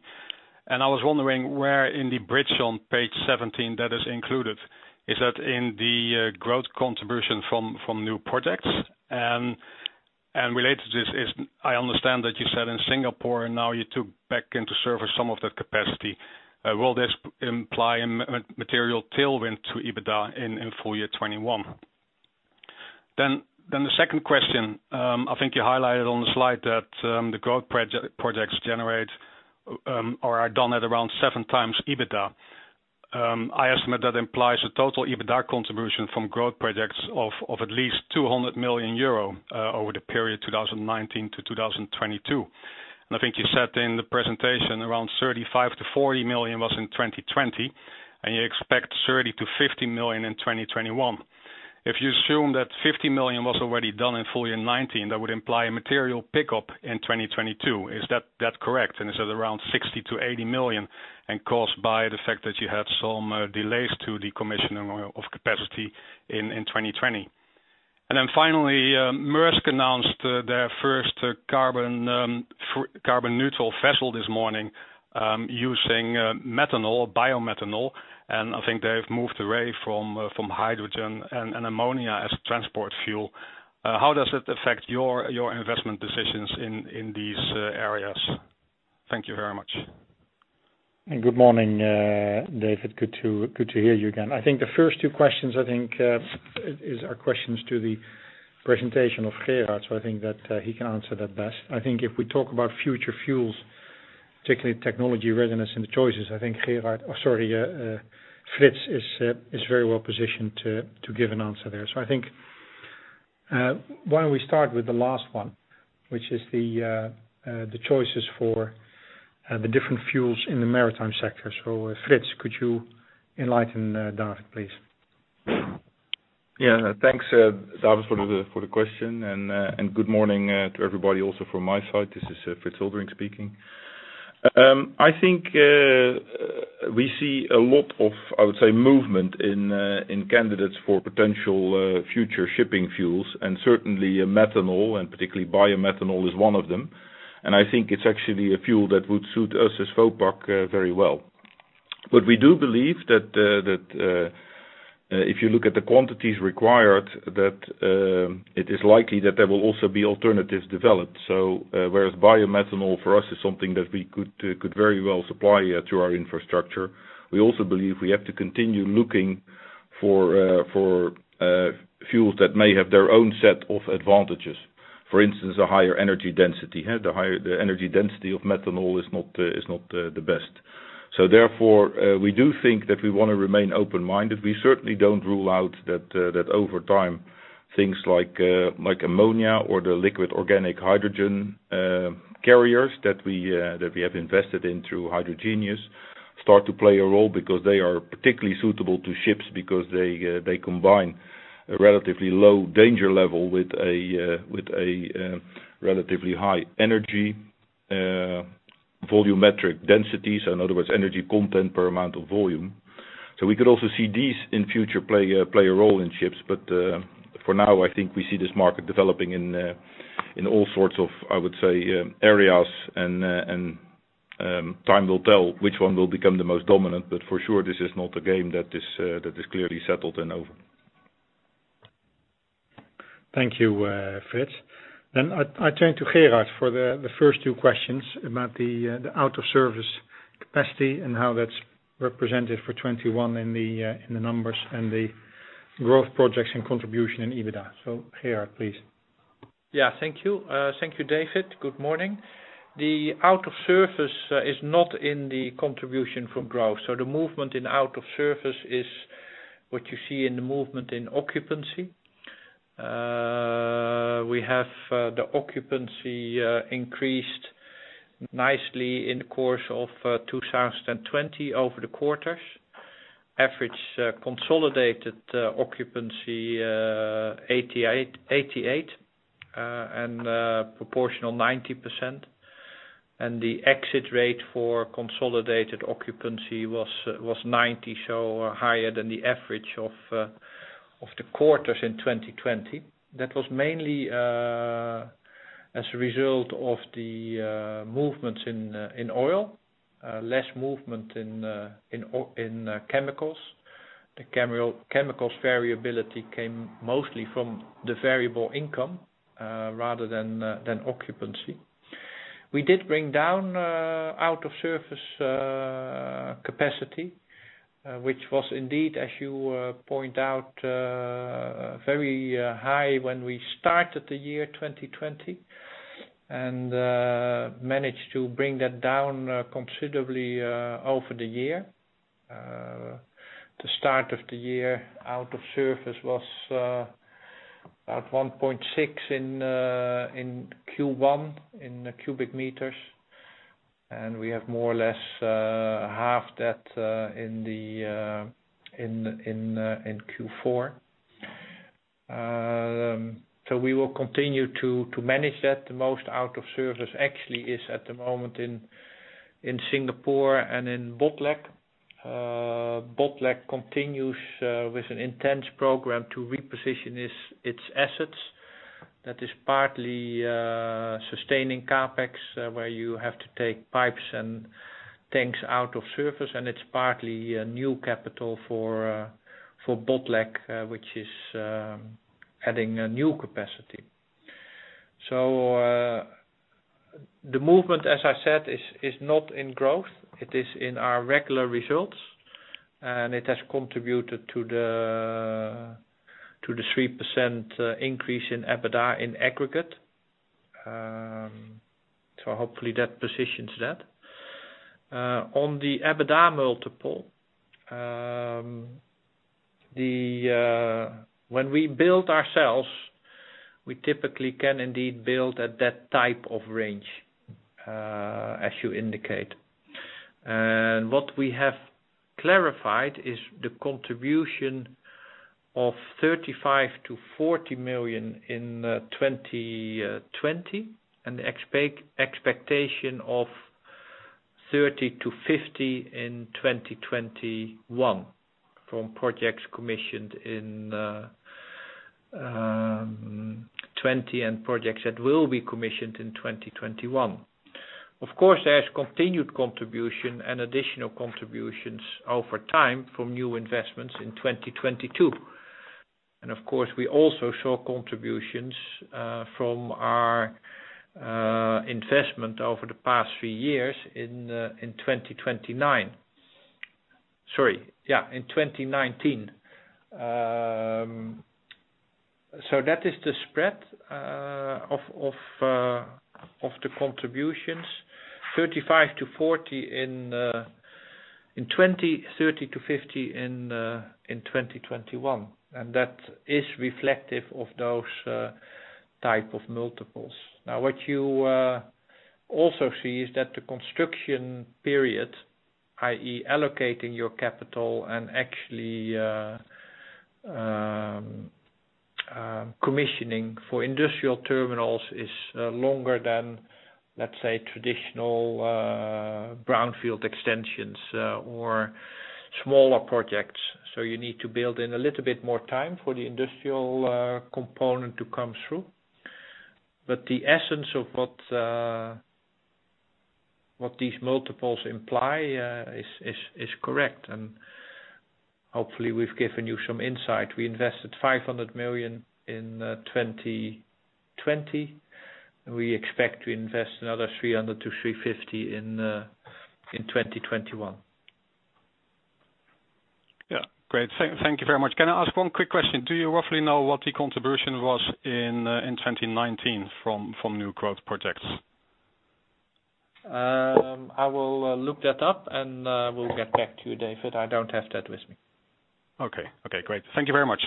I was wondering where in the bridge on page 17 that is included, is that in the growth contribution from new projects? Related to this is, I understand that you said in Singapore now you took back into service some of that capacity. Will this imply a material tailwind to EBITDA in FY 2021? The second question, I think you highlighted on the slide that the growth projects generate or are done at around seven times EBITDA. I estimate that implies a total EBITDA contribution from growth projects of at least 200 million euro, over the period 2019-2022. I think you said in the presentation around 35 million-40 million was in 2020, and you expect 30 million-50 million in 2021. If you assume that 50 million was already done in FY 2019, that would imply a material pickup in 2022. Is that correct? Is it around 60 million-80 million and caused by the fact that you had some delays to the commissioning of capacity in 2020? Finally, Maersk announced their first carbon neutral vessel this morning, using bio-methanol, and I think they've moved away from hydrogen and ammonia as a transport fuel. How does it affect your investment decisions in these areas? Thank you very much. Good morning, David. Good to hear you again. I think the first two questions, I think, is questions to the presentation of Gerard. I think that he can answer that best. If we talk about future fuels, particularly technology readiness and the choices, I think Gerard, or sorry, Frits is very well positioned to give an answer there. I think why don't we start with the last one, which is the choices for the different fuels in the maritime sector. Frits, could you enlighten David, please? Yeah, thanks, David, for the question and good morning to everybody also from my side. This is Frits Eulderink speaking. I think we see a lot of, I would say, movement in candidates for potential future shipping fuels, and certainly methanol, and particularly bio-methanol is one of them. I think it's actually a fuel that would suit us as Vopak very well. We do believe that if you look at the quantities required, that it is likely that there will also be alternatives developed. Whereas bio-methanol for us is something that we could very well supply through our infrastructure, we also believe we have to continue looking for fuels that may have their own set of advantages. For instance, a higher energy density. The energy density of methanol is not the best. Therefore, we do think that we want to remain open-minded. We certainly don't rule out that over time, things like ammonia or the liquid organic hydrogen carriers that we have invested in through Hydrogenious, start to play a role because they are particularly suitable to ships because they combine a relatively low danger level with a relatively high energy volumetric density. In other words, energy content per amount of volume. We could also see these in future play a role in ships. For now, I think we see this market developing in all sorts of, I would say, areas and time will tell which one will become the most dominant, but for sure, this is not a game that is clearly settled and over. Thank you, Frits. I turn to Gerard for the first two questions about the out of service capacity and how that's represented for 2021 in the numbers and the growth projects and contribution in EBITDA. Gerard, please. Thank you. Thank you, David. Good morning. The out of service is not in the contribution from growth. The movement in out of service is what you see in the movement in occupancy. We have the occupancy increased nicely in the course of 2020 over the quarters. Average consolidated occupancy 88% and proportional 90%. The exit rate for consolidated occupancy was 90%, so higher than the average of the quarters in 2020. That was mainly as a result of the movements in oil, less movement in chemicals. The chemicals variability came mostly from the variable income rather than occupancy. We did bring down out-of-service capacity, which was indeed, as you point out, very high when we started the year 2020 and managed to bring that down considerably over the year. The start of the year out of service was about 1.6 in Q1 in cubic meters. We have more or less halved that in Q4. We will continue to manage that. The most out of service actually is at the moment in Singapore and in Botlek. Botlek continues with an intense program to reposition its assets. That is partly sustaining CapEx, where you have to take pipes and tanks out of service, and it's partly a new capital for Botlek, which is adding a new capacity. The movement, as I said, is not in growth. It is in our regular results, and it has contributed to the 3% increase in EBITDA in aggregate. Hopefully that positions that. On the EBITDA multiple. When we build ourselves, we typically can indeed build at that type of range, as you indicate. What we have clarified is the contribution of 35 million-40 million in 2020, and the expectation of 30 million-50 million in 2021 from projects commissioned in 2020 and projects that will be commissioned in 2021. Of course, there's continued contribution and additional contributions over time from new investments in 2022. Of course, we also saw contributions from our investment over the past three years in 2019. That is the spread of the contributions, 35 million-40 million in 2020, 30 million-50 million in 2021. That is reflective of those type of multiples. What you also see is that the construction period, i.e., allocating your capital and actually commissioning for industrial terminals is longer than, let's say, traditional brownfield extensions or smaller projects. You need to build in a little bit more time for the industrial component to come through. The essence of what these multiples imply is correct. Hopefully we've given you some insight. We invested 500 million in 2020. We expect to invest another 300 million-350 million in 2021. Yeah. Great. Thank you very much. Can I ask one quick question? Do you roughly know what the contribution was in 2019 from new growth projects? I will look that up and we'll get back to you, David. I don't have that with me. Okay, great. Thank you very much.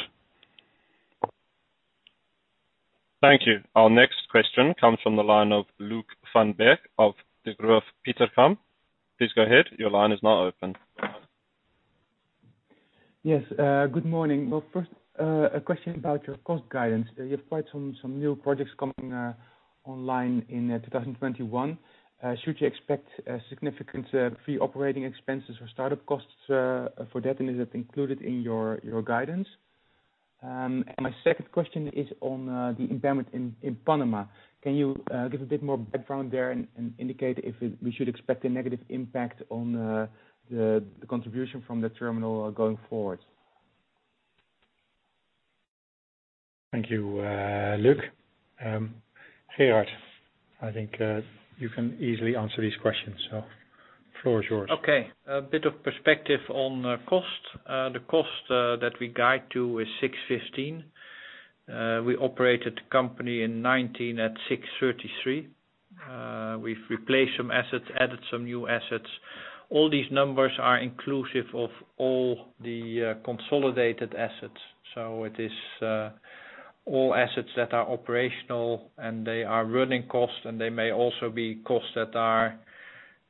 Thank you. Our next question comes from the line of Luuk van Beek of Degroof Petercam. Please go ahead. Yes, good morning. Well, first, a question about your cost guidance. You have quite some new projects coming online in 2021. Should you expect a significant pre-operating expenses or startup costs for that? Is it included in your guidance? My second question is on the impairment in Panama. Can you give a bit more background there and indicate if we should expect a negative impact on the contribution from the terminal going forward? Thank you, Luuk. Gerard, I think you can easily answer these questions. Floor is yours. Okay. A bit of perspective on cost. The cost that we guide to is 615. We operated the company in 2019 at 633. We've replaced some assets, added some new assets. All these numbers are inclusive of all the consolidated assets. All assets that are operational and they are running costs and they may also be costs that are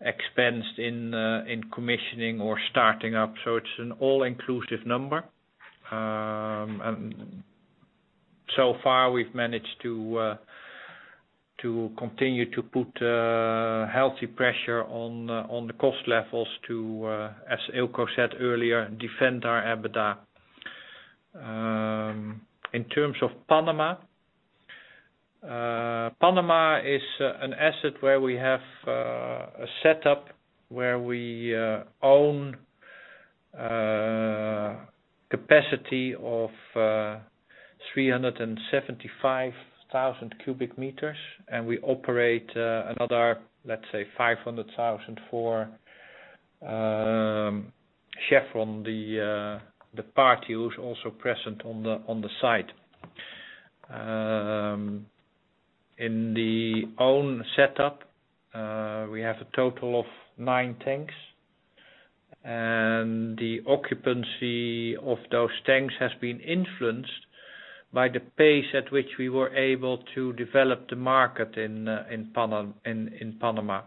expensed in commissioning or starting up. It's an all-inclusive number. So far, we've managed to continue to put healthy pressure on the cost levels to, as Eelco said earlier, defend our EBITDA. In terms of Panama, Panama is an asset where we have a setup where we own capacity of 375,000 cubic meters and we operate another, let's say 500,000 for Chevron, the party who's also present on the site. In the own setup, we have a total of nine tanks and the occupancy of those tanks has been influenced by the pace at which we were able to develop the market in Panama.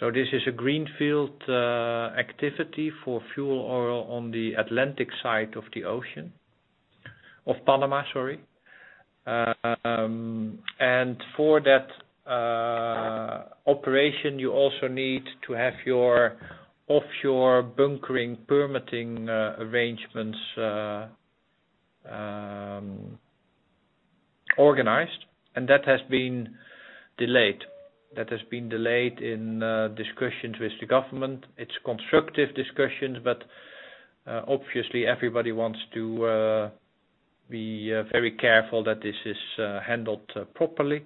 This is a greenfield activity for fuel oil on the Atlantic side of Panama. For that operation, you also need to have your offshore bunkering permitting arrangements organized and that has been delayed. That has been delayed in discussions with the government. It's constructive discussions but obviously everybody wants to be very careful that this is handled properly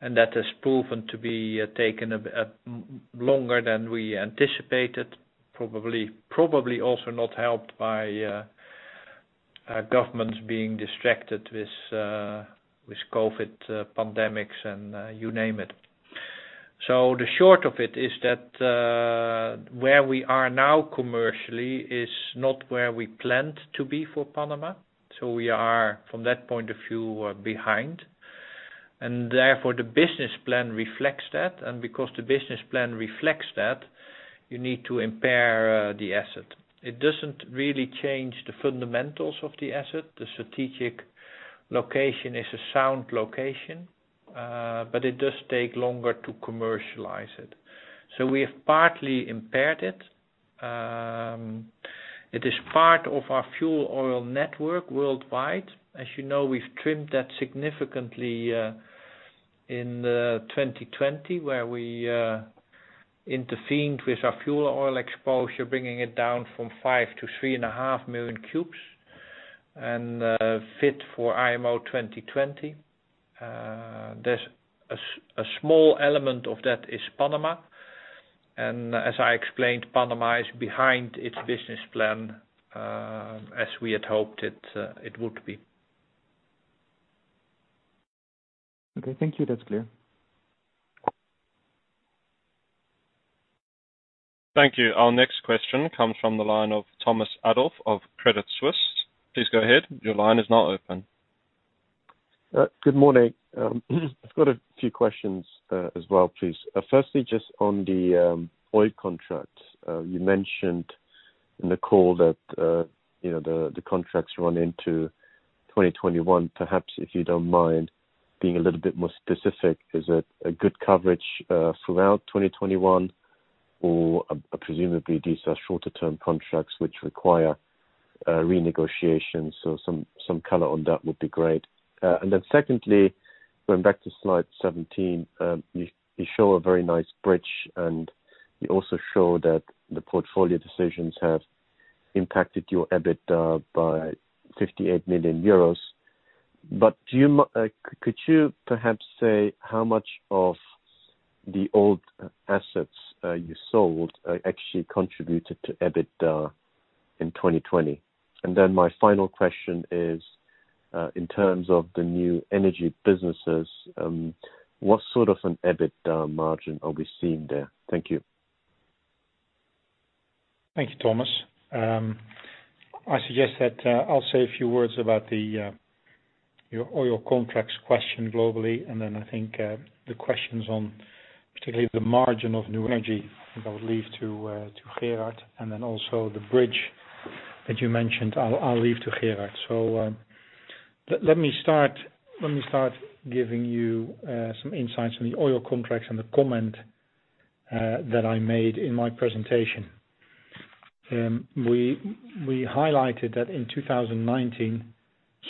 and that has proven to be taken longer than we anticipated. Probably also not helped by governments being distracted with COVID-19 pandemics and you name it. The short of it is that where we are now commercially is not where we planned to be for Panama. We are, from that point of view, behind and therefore the business plan reflects that. Because the business plan reflects that, you need to impair the asset. It doesn't really change the fundamentals of the asset. The strategic location is a sound location, but it does take longer to commercialize it. We have partly impaired it. It is part of our fuel oil network worldwide. As you know, we've trimmed that significantly in 2020 where we intervened with our fuel oil exposure bringing it down from 5 million to 3.5 million cubes and fit for IMO 2020. A small element of that is Panama, and as I explained, Panama is behind its business plan as we had hoped it would be. Okay. Thank you. That's clear. Thank you. Our next question comes from the line of Thomas Adolff of Credit Suisse. Please go ahead. Your line is now open. Good morning. I've got a few questions as well, please. Firstly, just on the oil contracts. You mentioned in the call that the contracts run into 2021. Perhaps if you don't mind being a little bit more specific, is it a good coverage throughout 2021 or presumably these are shorter term contracts which require renegotiation? Some color on that would be great. Secondly, going back to slide 17, you show a very nice bridge and you also show that the portfolio decisions have impacted your EBITDA by 58 million euros. Could you perhaps say how much of the old assets you sold actually contributed to EBITDA in 2020? My final question is, in terms of the new energy businesses, what sort of an EBITDA margin are we seeing there? Thank you. Thank you, Thomas. I suggest that I'll say a few words about your oil contracts question globally and then I think the questions on particularly the margin of new energy, I think I would leave to Gerard and then also the bridge that you mentioned, I'll leave to Gerard. Let me start giving you some insights on the oil contracts and the comment that I made in my presentation. We highlighted that in 2019,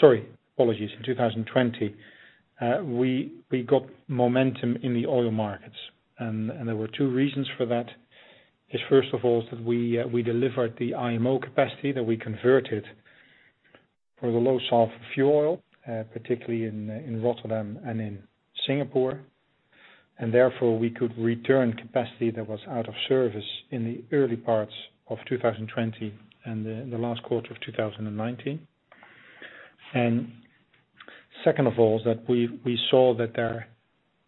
sorry, apologies, in 2020, we got momentum in the oil markets. There were two reasons for that, is first of all, is that we delivered the IMO capacity that we converted for the low sulfur fuel oil, particularly in Rotterdam and in Singapore. Therefore, we could return capacity that was out of service in the early parts of 2020 and the last quarter of 2019. Second of all, is that we saw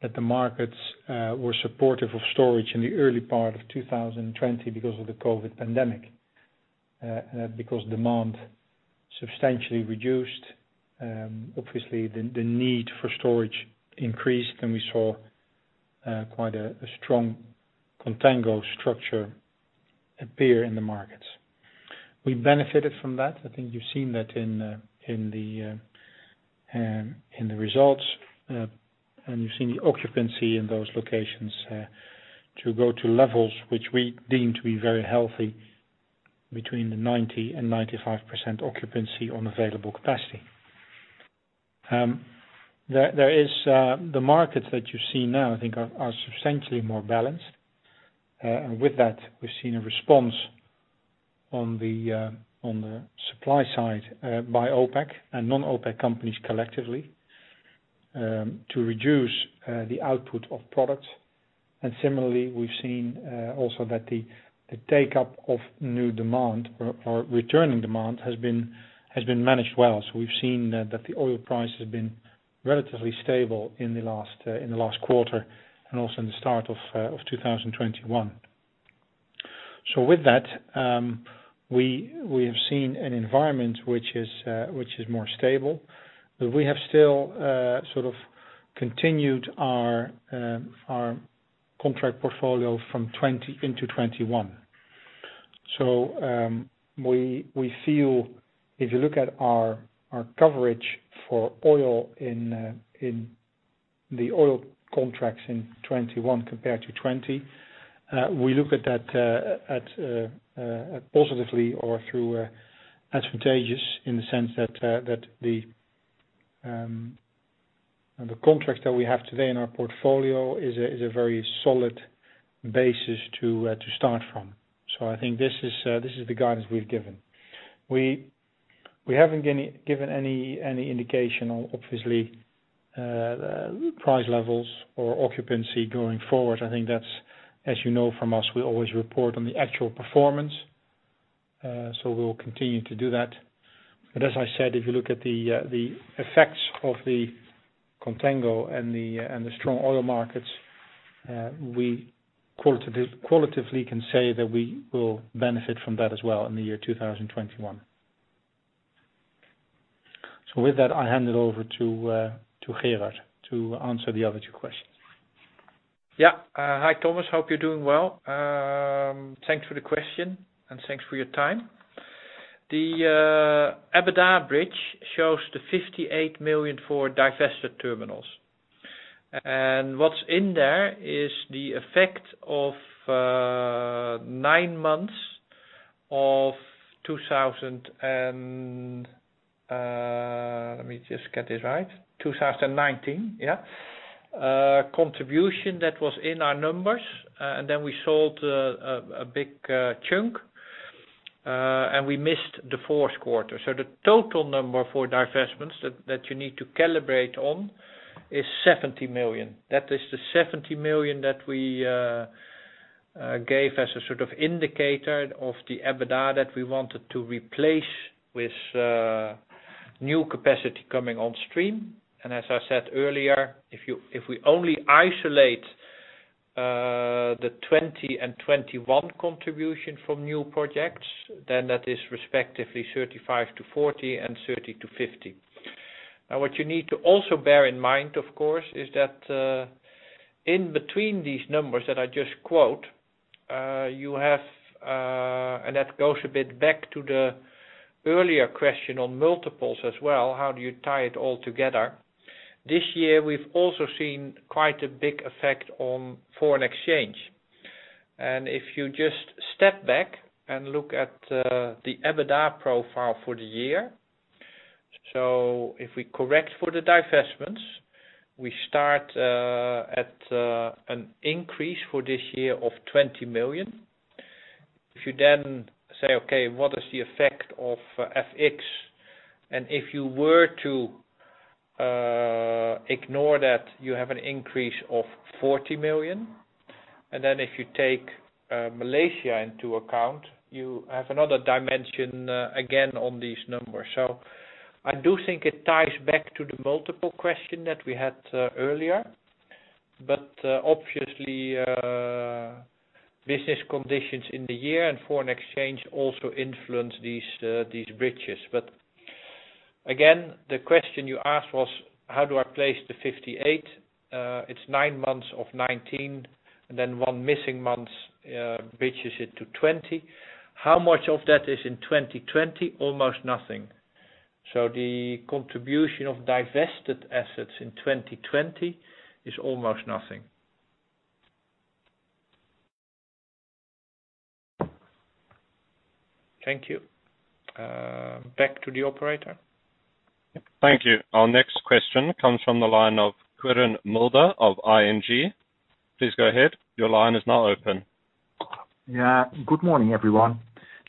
that the markets were supportive of storage in the early part of 2020 because of the COVID pandemic and because demand substantially reduced, obviously the need for storage increased, and we saw quite a strong contango structure appear in the markets. We benefited from that. I think you've seen that in the results, and you've seen the occupancy in those locations to go to levels which we deem to be very healthy between the 90% and 95% occupancy on available capacity. The markets that you see now, I think, are substantially more balanced. With that, we've seen a response on the supply side by OPEC and non-OPEC companies collectively, to reduce the output of products. Similarly, we've seen also that the take-up of new demand or returning demand has been managed well. We've seen that the oil price has been relatively stable in the last quarter and also in the start of 2021. With that, we have seen an environment which is more stable, but we have still sort of continued our contract portfolio from 2020 into 2021. We feel if you look at our coverage for oil in the oil contracts in 2021 compared to 2020, we look at that positively or through advantageous in the sense that the contracts that we have today in our portfolio is a very solid basis to start from. I think this is the guidance we've given. We haven't given any indication on obviously, price levels or occupancy going forward. I think that's, as you know from us, we always report on the actual performance, so we will continue to do that. As I said, if you look at the effects of the contango and the strong oil markets, we qualitatively can say that we will benefit from that as well in the year 2021. With that, I'll hand it over to Gerard to answer the other two questions. Hi, Thomas. Hope you're doing well. Thanks for the question and thanks for your time. The EBITDA bridge shows the 58 million for divested terminals. What's in there is the effect of nine months of 2019. Contribution that was in our numbers. Then we sold a big chunk, and we missed the fourth quarter. The total number for divestments that you need to calibrate on is 70 million. That is the 70 million that we gave as a sort of indicator of the EBITDA that we wanted to replace with new capacity coming on stream. As I said earlier, if we only isolate the 2020 and 2021 contribution from new projects, then that is respectively 35 million-40 million and 30 million-50 million. What you need to also bear in mind, of course, is that in between these numbers that I just quote, you have, and that goes a bit back to the earlier question on multiples as well, how do you tie it all together? This year we've also seen quite a big effect on foreign exchange. If you just step back and look at the EBITDA profile for the year. If we correct for the divestments, we start at an increase for this year of 20 million. If you then say, okay, what is the effect of FX? If you were to ignore that, you have an increase of 40 million. If you take Malaysia into account, you have another dimension again on these numbers. I do think it ties back to the multiple question that we had earlier. Obviously, business conditions in the year and foreign exchange also influence these bridges. Again, the question you asked was, how do I place the 58? It's nine months of 2019, and then one missing month bridges it to 2020. How much of that is in 2020? Almost nothing. The contribution of divested assets in 2020 is almost nothing. Thank you. Back to the operator. Thank you. Our next question comes from the line of Quirijn Mulder of ING. Please go ahead. Yeah. Good morning, everyone.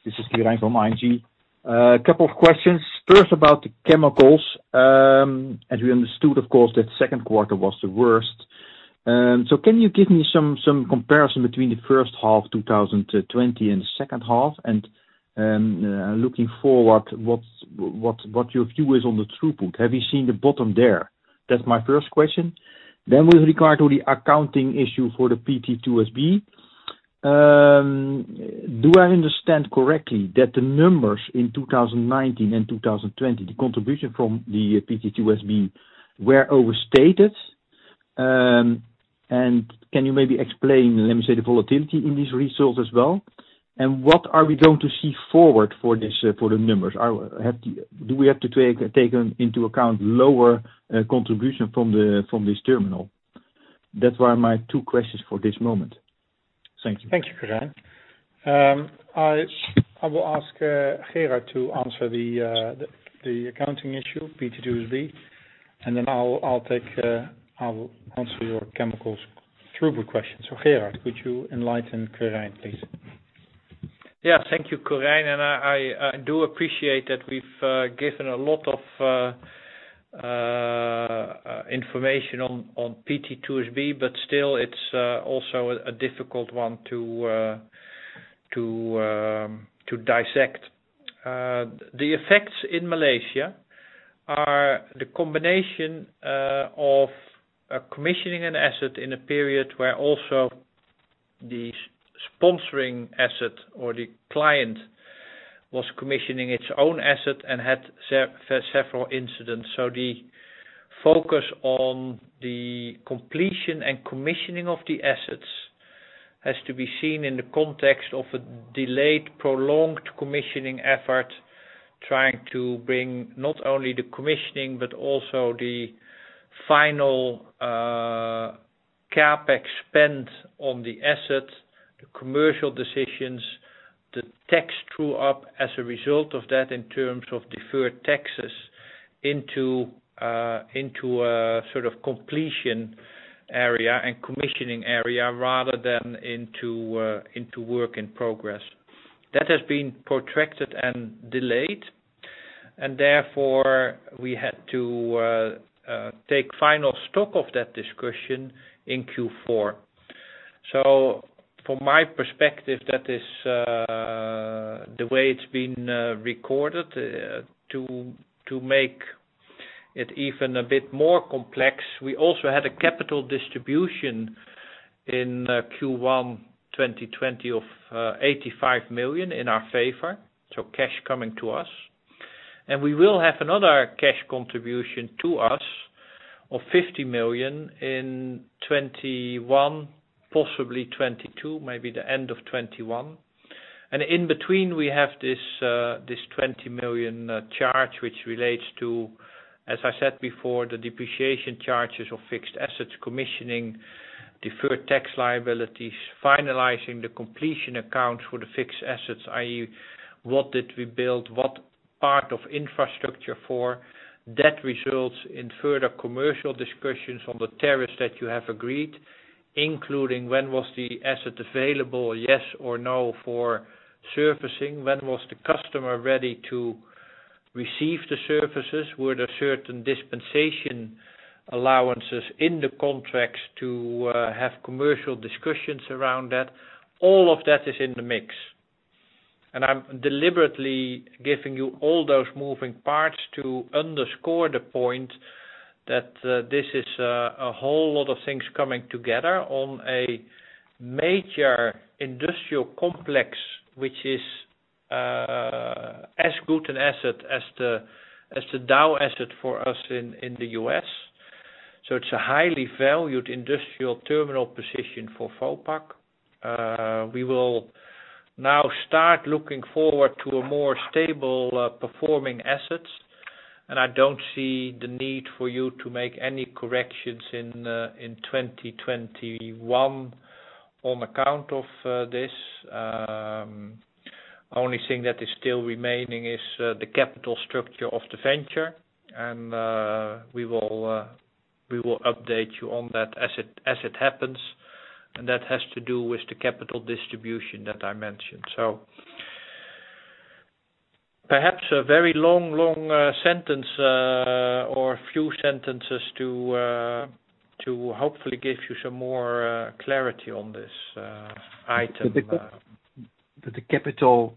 This is Quirijn from ING. A couple of questions. First, about the chemicals. As we understood, of course, that second quarter was the worst. Can you give me some comparison between the first half 2020 and second half? Looking forward, what your view is on the throughput. Have you seen the bottom there? That's my first question. With regard to the accounting issue for the PT2SB, do I understand correctly that the numbers in 2019 and 2020, the contribution from the PT2SB were overstated? Can you maybe explain, let me say, the volatility in this result as well? What are we going to see forward for the numbers? Do we have to take into account lower contribution from this terminal? That were my two questions for this moment. Thank you. Thank you, Quirijn. I will ask Gerard to answer the accounting issue, PT2SB, and then I'll answer your chemicals throughput question. Gerard, could you enlighten Quirijn, please? Thank you, Quirijn, and I do appreciate that we've given a lot of information on PT2SB, but still it's also a difficult one to dissect. The effects in Malaysia are the combination of commissioning an asset in a period where also the sponsoring asset or the client was commissioning its own asset and had several incidents. The focus on the completion and commissioning of the assets has to be seen in the context of a delayed, prolonged commissioning effort, trying to bring not only the commissioning but also the final CapEx spend on the asset, the commercial decisions, the tax true-up as a result of that in terms of deferred taxes into a sort of completion area and commissioning area, rather than into work in progress. That has been protracted and delayed, therefore, we had to take final stock of that discussion in Q4. From my perspective, that is the way it's been recorded. To make it even a bit more complex, we also had a capital distribution in Q1 2020 of 85 million in our favor, so cash coming to us. We will have another cash contribution to us of 50 million in 2021, possibly 2022, maybe the end of 2021. In between, we have this 20 million charge, which relates to, as I said before, the depreciation charges of fixed assets, commissioning, deferred tax liabilities, finalizing the completion accounts for the fixed assets, i.e., what did we build, what part of infrastructure for. That results in further commercial discussions on the tariffs that you have agreed, including when was the asset available, yes or no for servicing, when was the customer ready to receive the services, were there certain dispensation allowances in the contracts to have commercial discussions around that. All of that is in the mix. I'm deliberately giving you all those moving parts to underscore the point that this is a whole lot of things coming together on a major industrial complex, which is as good an asset as the Dow asset for us in the U.S. It's a highly valued industrial terminal position for Vopak. We will now start looking forward to a more stable performing assets, and I don't see the need for you to make any corrections in 2021 on account of this. Only thing that is still remaining is the capital structure of the venture, and we will update you on that as it happens. That has to do with the capital distribution that I mentioned. Perhaps a very long sentence or a few sentences to hopefully give you some more clarity on this item. The capital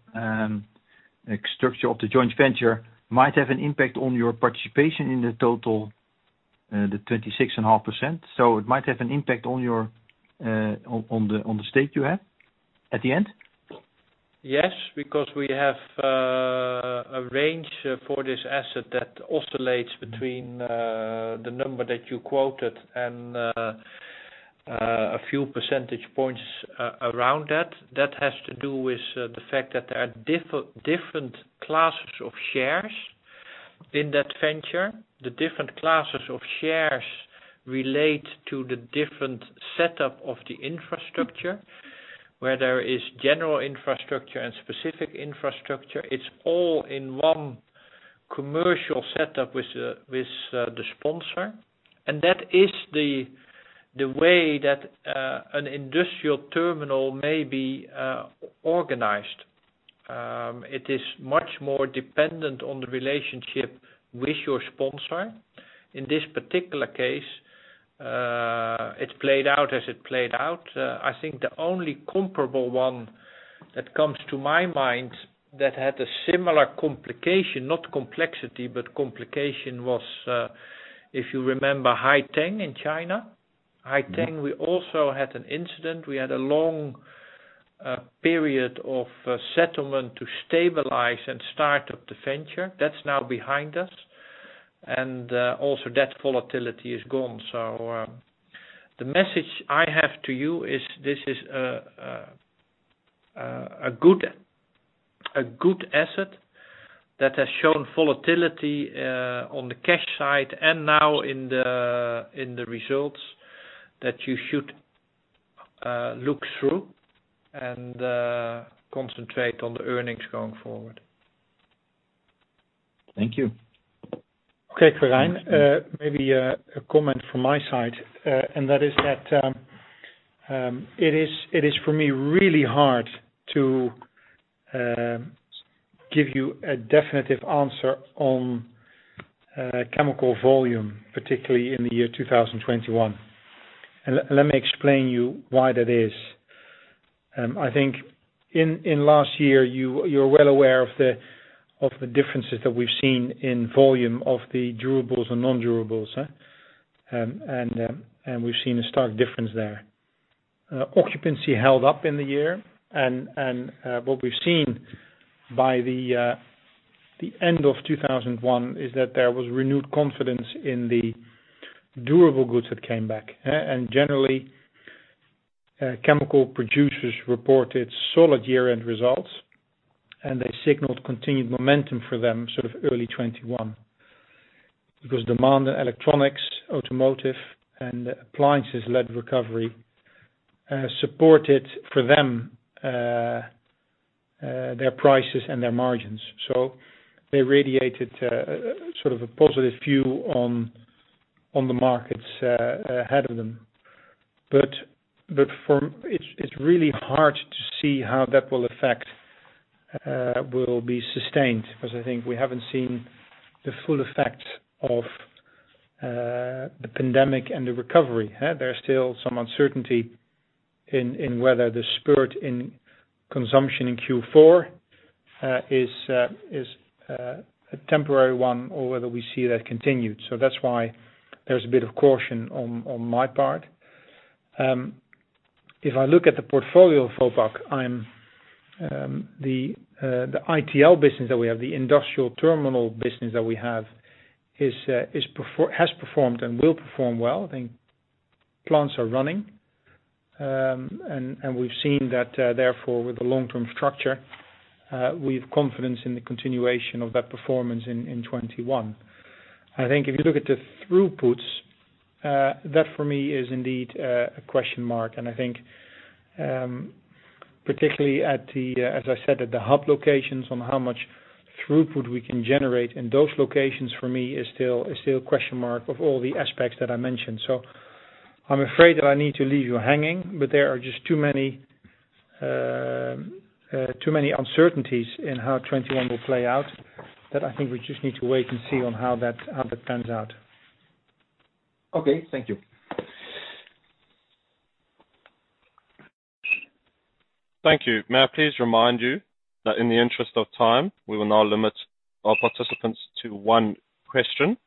structure of the joint venture might have an impact on your participation in the total, the 26.5%. It might have an impact on the stake you have at the end? Yes, because we have a range for this asset that oscillates between the number that you quoted and a few percentage points around that. That has to do with the fact that there are different classes of shares in that venture. The different classes of shares relate to the different setup of the infrastructure, where there is general infrastructure and specific infrastructure. It's all in one commercial setup with the sponsor. That is the way that an industrial terminal may be organized. It is much more dependent on the relationship with your sponsor. In this particular case, it played out as it played out. I think the only comparable one that comes to my mind that had a similar complication, not complexity, but complication was, if you remember Haiteng in China. Haiteng, we also had an incident. We had a long period of settlement to stabilize and start up the venture. That's now behind us. Also that volatility is gone. The message I have to you is, this is a good asset that has shown volatility on the cash side and now in the results that you should look through and concentrate on the earnings going forward. Thank you. Okay, Quirijn. Maybe a comment from my side, that is that it is, for me, really hard to give you a definitive answer on chemical volume, particularly in the year 2021. Let me explain to you why that is. I think in last year, you're well aware of the differences that we've seen in volume of the durables and non-durables. We've seen a stark difference there. Occupancy held up in the year and what we've seen by the end of 2001 is that there was renewed confidence in the durable goods that came back. Generally, chemical producers reported solid year-end results, and they signaled continued momentum for them early 2021. Demand in electronics, automotive, and appliances-led recovery, supported for them their prices and their margins. They radiated a positive view on the markets ahead of them. It's really hard to see how that will affect, will be sustained, because I think we haven't seen the full effect of the pandemic and the recovery. There's still some uncertainty in whether the spurt in consumption in Q4 is a temporary one or whether we see that continued. That's why there's a bit of caution on my part. If I look at the portfolio of Vopak, the ITL business that we have, the industrial terminal business that we have, has performed and will perform well. I think plants are running. We've seen that therefore with the long-term structure, we've confidence in the continuation of that performance in 2021. I think if you look at the throughputs, that for me is indeed a question mark. I think, particularly at the, as I said, at the hub locations on how much throughput we can generate in those locations for me is still a question mark of all the aspects that I mentioned. I am afraid that I need to leave you hanging, there are just too many uncertainties in how 2021 will play out that I think we just need to wait and see on how that pans out. Okay. Thank you. Thank you. May I please remind you that in the interest of time, we will now limit our participants to one question.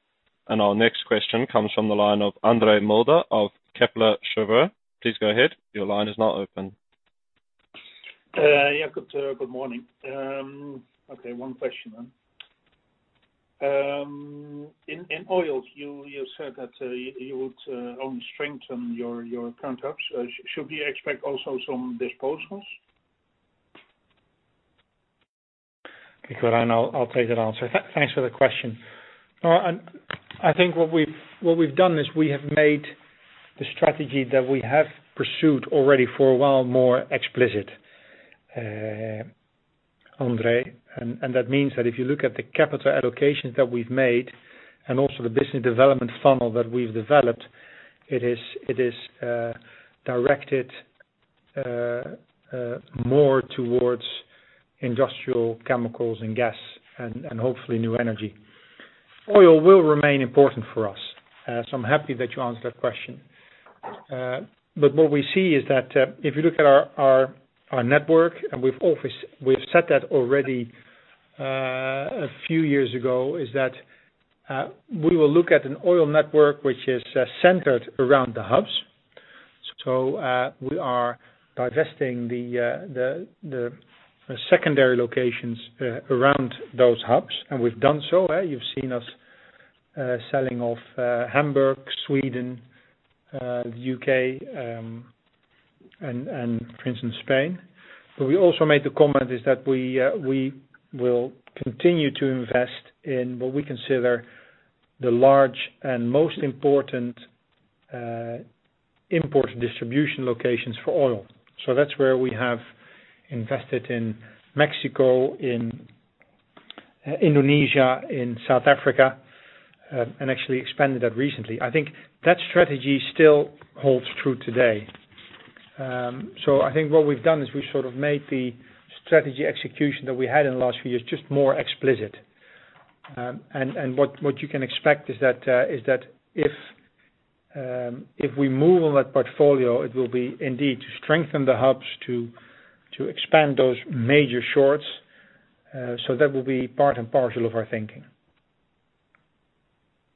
Our next question comes from the line of André Mulder of Kepler Cheuvreux. Please go ahead. Your line is now open. Yeah, good morning. Okay, one question then. In oils, you said that you would only strengthen your current hubs. Should we expect also some disposals? Okay, André, I'll take that answer. Thanks for the question. I think what we've done is we have made the strategy that we have pursued already for a while more explicit, André. That means that if you look at the capital allocations that we've made, and also the business development funnel that we've developed, it is directed more towards industrial chemicals and gas and hopefully new energy. Oil will remain important for us. I'm happy that you asked that question. What we see is that, if you look at our network, and we've said that already a few years ago, is that we will look at an oil network which is centered around the hubs. We are divesting the secondary locations around those hubs, and we've done so. You've seen us selling off Hamburg, Sweden, the U.K., and for instance, Spain. We also made the comment is that we will continue to invest in what we consider the large and most important import distribution locations for oil. That's where we have invested in Mexico, in Indonesia, in South Africa, and actually expanded that recently. I think that strategy still holds true today. I think what we've done is we've made the strategy execution that we had in the last few years just more explicit. What you can expect is that if we move on that portfolio, it will be indeed to strengthen the hubs to expand those major shorts. That will be part and parcel of our thinking.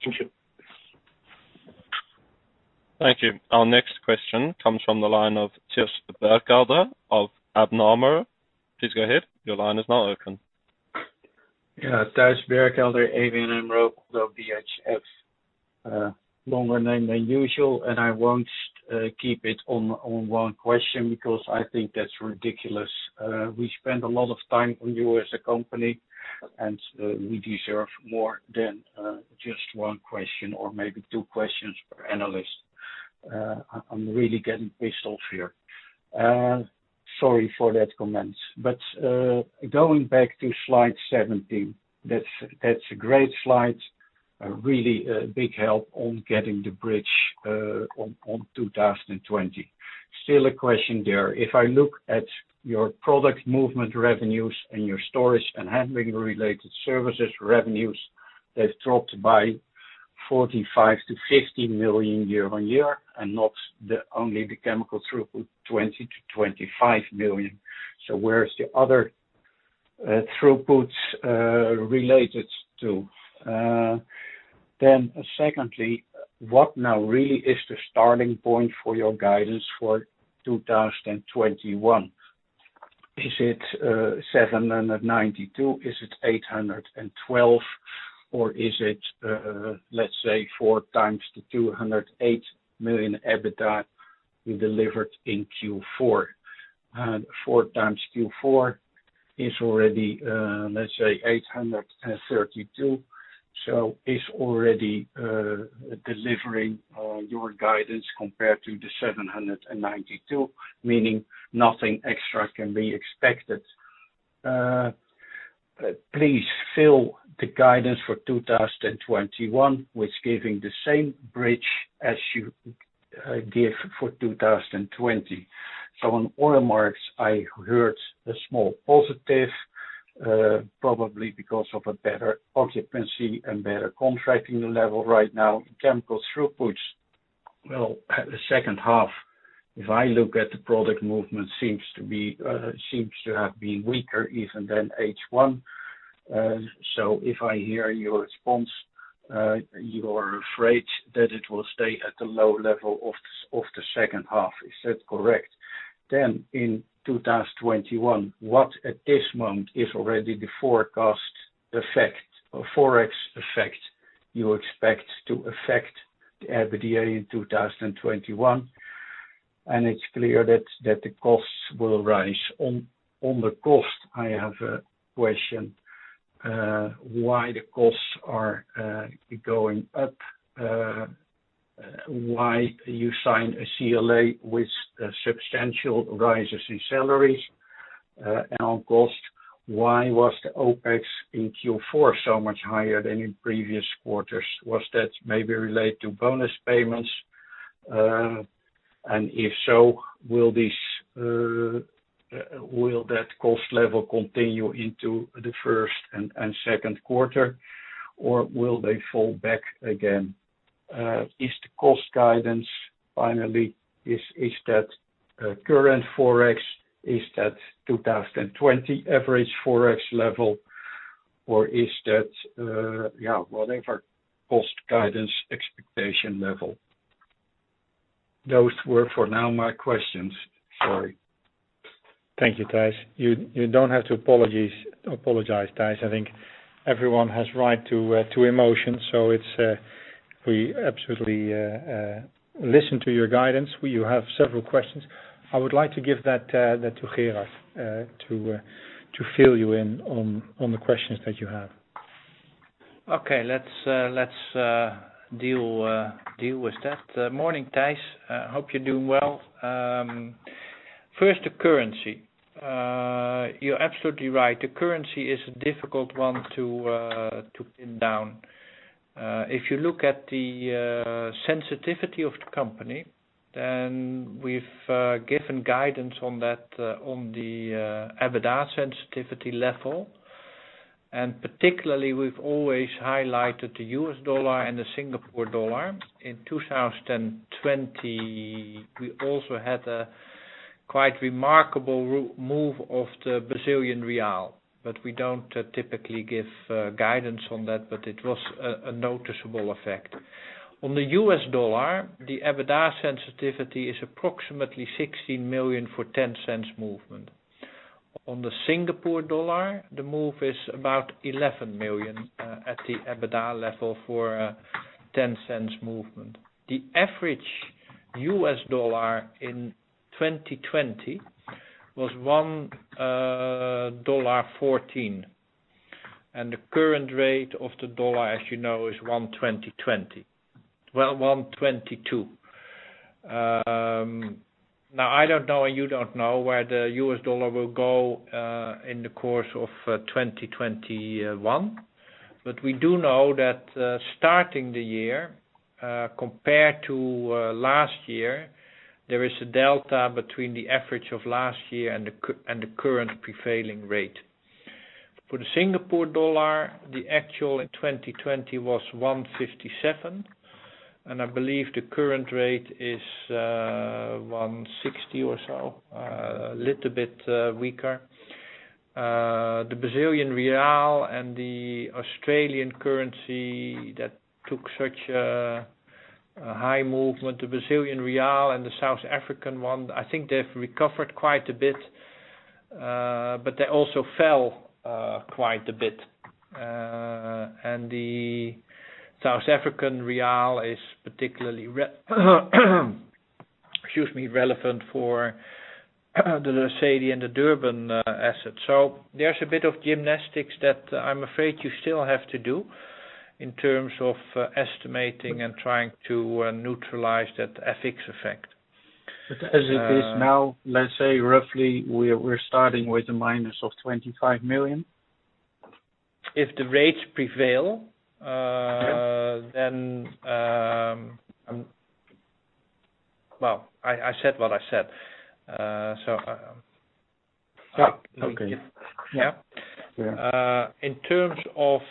Thank you. Thank you. Our next question comes from the line of Thijs Berkelder of ABN AMRO. Please go ahead. Yeah. Thijs Berkelder, ABN AMRO. ODDO BHF. Longer name than usual, and I won't keep it on one question because I think that's ridiculous. We spend a lot of time on you as a company, and we deserve more than just one question or maybe two questions per analyst. I'm really getting pissed off here. Sorry for that comment. Going back to slide 17, that's a great slide. Really a big help on getting the bridge on 2020. Still a question there. If I look at your product movement revenues and your storage and handling related services revenues, they've dropped by 45 million-50 million year-on-year and not only the chemical throughput, 20 million-25 million. Where's the other throughputs related to? Secondly, what now really is the starting point for your guidance for 2021? Is it 792? Is it 812? Or is it, let's say, four times the 208 million EBITDA you delivered in Q4? Four times Q4 is already, let's say, 832, so is already delivering on your guidance compared to the 792, meaning nothing extra can be expected. Please fill the guidance for 2021 with giving the same bridge as you give for 2020. On oil markets, I heard a small positive, probably because of a better occupancy and better contracting level right now. Chemical throughputs, well, the second half, if I look at the product movement seems to have been weaker even than H1. If I hear your response, you are afraid that it will stay at the low level of the second half. Is that correct? In 2021, what at this moment is already the forecast effect or ForEx effect you expect to affect the EBITDA in 2021? It's clear that the costs will rise. On the cost, I have a question, why the costs are going up, why you signed a CLA with substantial rises in salaries and on cost, why was the OpEx in Q4 so much higher than in previous quarters? Was that maybe related to bonus payments? If so, will that cost level continue into the first and second quarter, or will they fall back again? Is the cost guidance, finally, is that current ForEx, is that 2020 average ForEx level or is that whatever cost guidance expectation level? Those were for now my questions. Sorry. Thank you, Thijs. You don't have to apologize, Thijs. I think everyone has right to emotion. We absolutely listen to your guidance. You have several questions. I would like to give that to Gerard, to fill you in on the questions that you have. Okay. Let's deal with that. Morning, Thijs. Hope you're doing well. First, the currency. You're absolutely right. The currency is a difficult one to pin down. If you look at the sensitivity of the company, we've given guidance on that on the EBITDA sensitivity level. Particularly, we've always highlighted the U.S. dollar and the Singapore dollar. In 2020, we also had a quite remarkable move of the Brazilian real, we don't typically give guidance on that, it was a noticeable effect. On the U.S. dollar, the EBITDA sensitivity is approximately 16 million for $0.10 movement. On the Singapore dollar, the move is about 11 million at the EBITDA level for a 0.10 movement. The average U.S. dollar in 2020 was $1.14. The current rate of the dollar, as you know, is $1.2020. Well, $1.22. I don't know and you don't know where the U.S. dollar will go in the course of 2021. We do know that starting the year, compared to last year. There is a delta between the average of last year and the current prevailing rate. For the Singapore dollar, the actual in 2020 was 157, and I believe the current rate is 160 or so, a little bit weaker. The Brazilian real and the Australian currency that took such a high movement, the Brazilian real and the South African rand, I think they've recovered quite a bit, but they also fell quite a bit. The South African rand is particularly relevant for the Lesedi and the Durban assets. There's a bit of gymnastics that I'm afraid you still have to do in terms of estimating and trying to neutralize that FX effect. As it is now, let's say roughly, we're starting with a minus of 25 million? If the rates prevail, Well, I said what I said. Okay. Yeah. Yeah. In terms of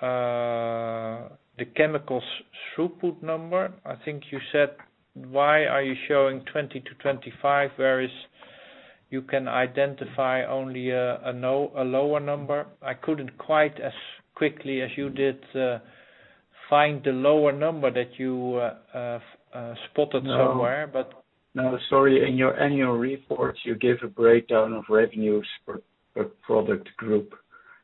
the chemicals throughput number, I think you said, "Why are you showing 20-25, whereas you can identify only a lower number?" I couldn't quite as quickly as you did, find the lower number that you spotted somewhere. No, sorry. In your annual report, you gave a breakdown of revenues per product group,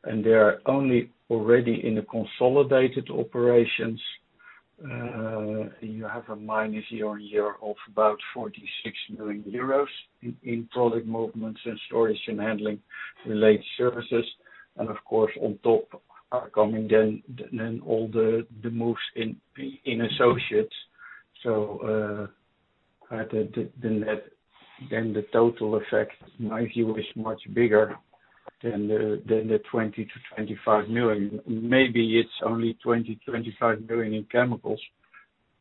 they are only already in the consolidated operations. You have a minus year-on-year of about 46 million euros in product movements and storage and handling related services. Of course, on top are coming then all the moves in associates. The total effect, in my view, is much bigger than the 20 million-25 million. Maybe it's only 20 million-25 million in chemicals,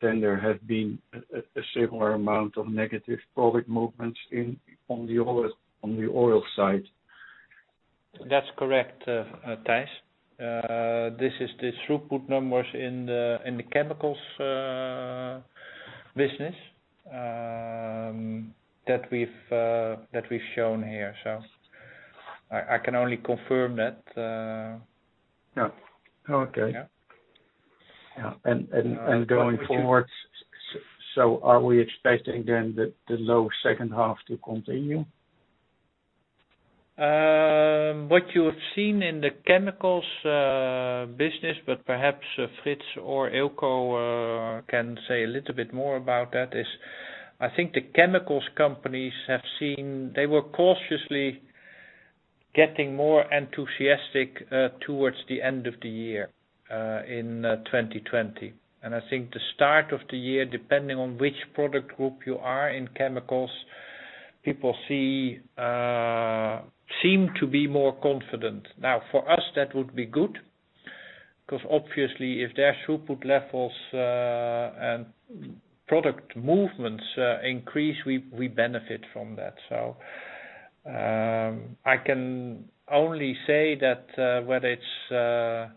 then there have been a similar amount of negative product movements on the oil side. That's correct, Thijs. This is the throughput numbers in the chemicals business that we've shown here. I can only confirm that. Okay. Yeah. Going forward, are we expecting the low second half to continue? What you have seen in the chemicals business, but perhaps Frits or Eelco can say a little bit more about that, is I think the chemicals companies, they were cautiously getting more enthusiastic towards the end of the year in 2020. I think the start of the year, depending on which product group you are in chemicals, people seem to be more confident. For us, that would be good because obviously if their throughput levels and product movements increase, we benefit from that. I can only say that whether it is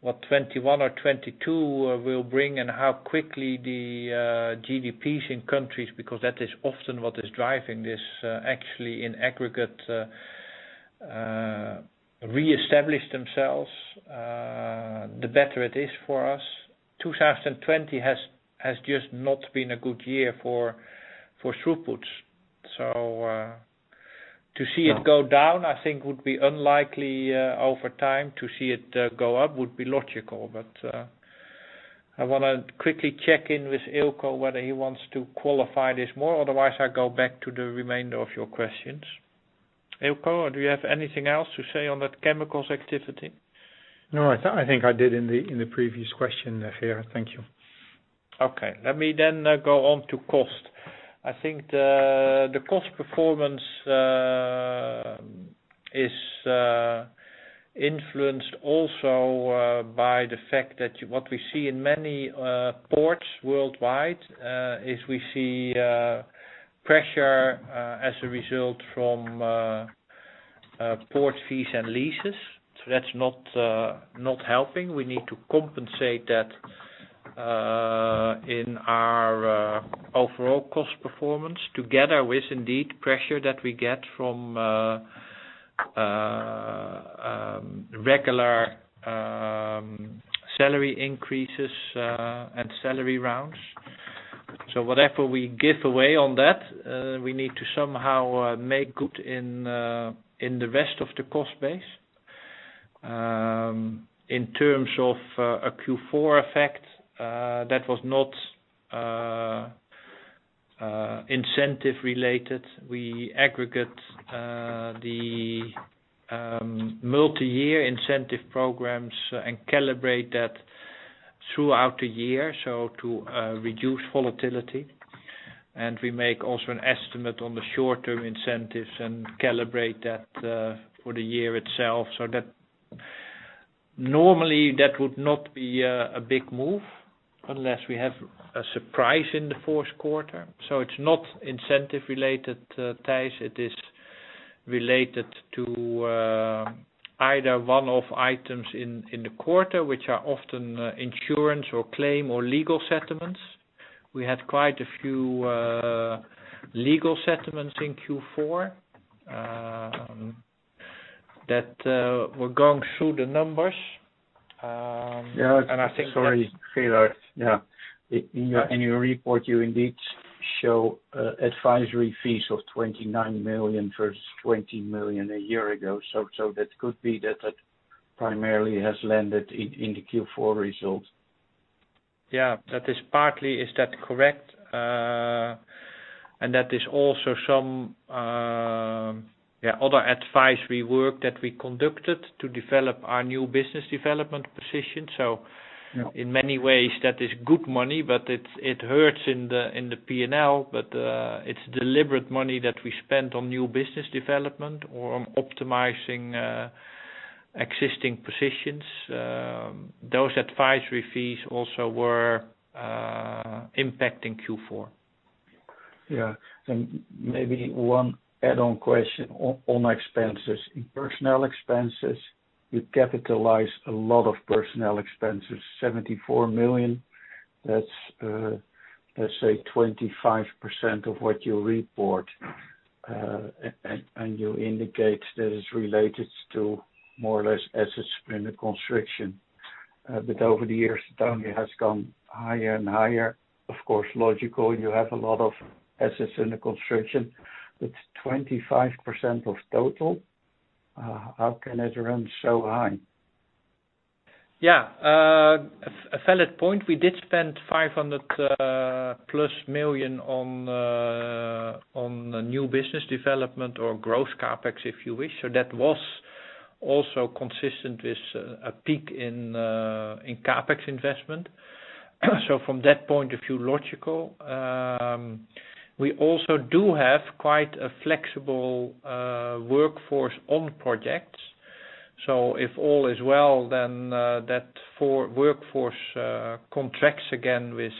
what 2021 or 2022 will bring and how quickly the GDPs in countries, because that is often what is driving this actually in aggregate, reestablish themselves, the better it is for us. 2020 has just not been a good year for throughputs. To see it go down, I think would be unlikely over time. To see it go up would be logical. I want to quickly check in with Eelco whether he wants to qualify this more. Otherwise, I go back to the remainder of your questions. Eelco, do you have anything else to say on that chemicals activity? No, I think I did in the previous question, Gerard. Thank you. Okay. Let me go on to cost. I think the cost performance is influenced also by the fact that what we see in many ports worldwide, we see pressure as a result from port fees and leases. That's not helping. We need to compensate that in our overall cost performance together with indeed pressure that we get from regular salary increases and salary rounds. Whatever we give away on that, we need to somehow make good in the rest of the cost base. In terms of a Q4 effect, that was not incentive related. We aggregate the multi-year incentive programs and calibrate that throughout the year to reduce volatility. We make also an estimate on the short-term incentives and calibrate that for the year itself. Normally, that would not be a big move unless we have a surprise in the fourth quarter. It's not incentive related, Thijs, it is related to either one-off items in the quarter, which are often insurance or claim or legal settlements. We had quite a few legal settlements in Q4, that were going through the numbers. Yeah. I think- Sorry, Gerard. In your report, you indeed show advisory fees of 29 million versus 20 million a year ago. That could be that it primarily has landed in the Q4 results. Yeah. That is partly, is that correct? That is also some other advisory work that we conducted to develop our new business development position. Yeah In many ways, that is good money, but it hurts in the P&L. It's deliberate money that we spent on new business development or on optimizing existing positions. Those advisory fees also were impacting Q4. Yeah. Maybe one add-on question on expenses. In personnel expenses, you capitalize a lot of personnel expenses, 74 million. That's, let's say, 25% of what you report. You indicate that it's related to more or less assets in the construction. Over the years, it only has gone higher and higher. Of course, logical, you have a lot of assets in the construction. 25% of total, how can it run so high? Yeah. A valid point. We did spend 500-plus million on new business development or growth CapEx, if you wish. That was also consistent with a peak in CapEx investment. From that point of view, it was logical. We also do have quite a flexible workforce on projects. If all is well, then that workforce contracts again with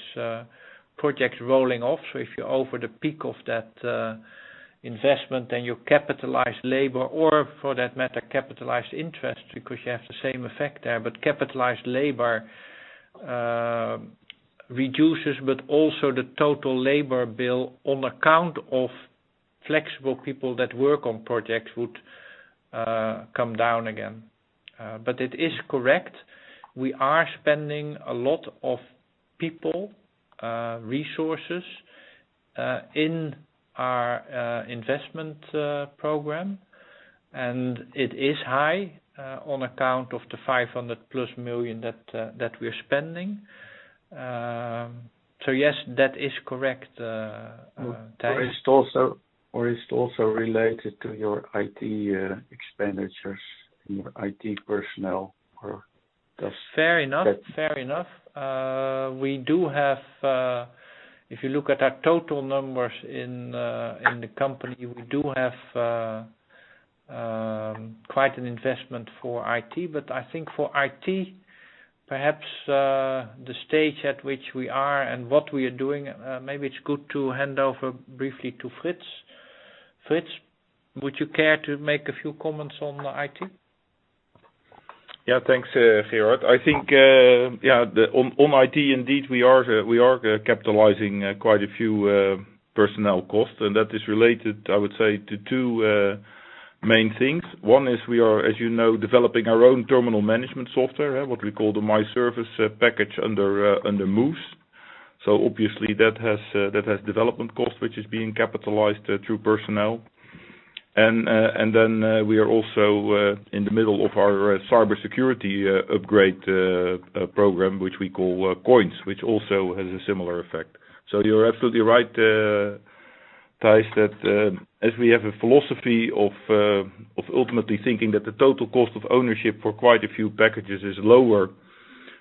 projects rolling off. If you're over the peak of that investment, then you capitalize labor or for that matter, capitalized interest, because you have the same effect there. Capitalized labor reduces, but also the total labor bill on account of flexible people that work on projects would come down again. It is correct. We are spending a lot of people, resources, in our investment program, and it is high on account of the 500-plus million that we're spending. Yes, that is correct, Thijs. Is it also related to your IT expenditures and your IT personnel? Fair enough. We do have, if you look at our total numbers in the company, we do have quite an investment for IT. I think for IT, perhaps the stage at which we are and what we are doing, maybe it's good to hand over briefly to Frits. Frits, would you care to make a few comments on IT? Thanks, Gerard. I think, on IT indeed, we are capitalizing quite a few personnel costs, and that is related, I would say, to two main things. One is we are, as you know, developing our own terminal management software, what we call the MyService package under Moose. Obviously that has development cost, which is being capitalized through personnel. We are also in the middle of our cybersecurity upgrade program, which we call COINS, which also has a similar effect. You're absolutely right, Thijs, that as we have a philosophy of ultimately thinking that the total cost of ownership for quite a few packages is lower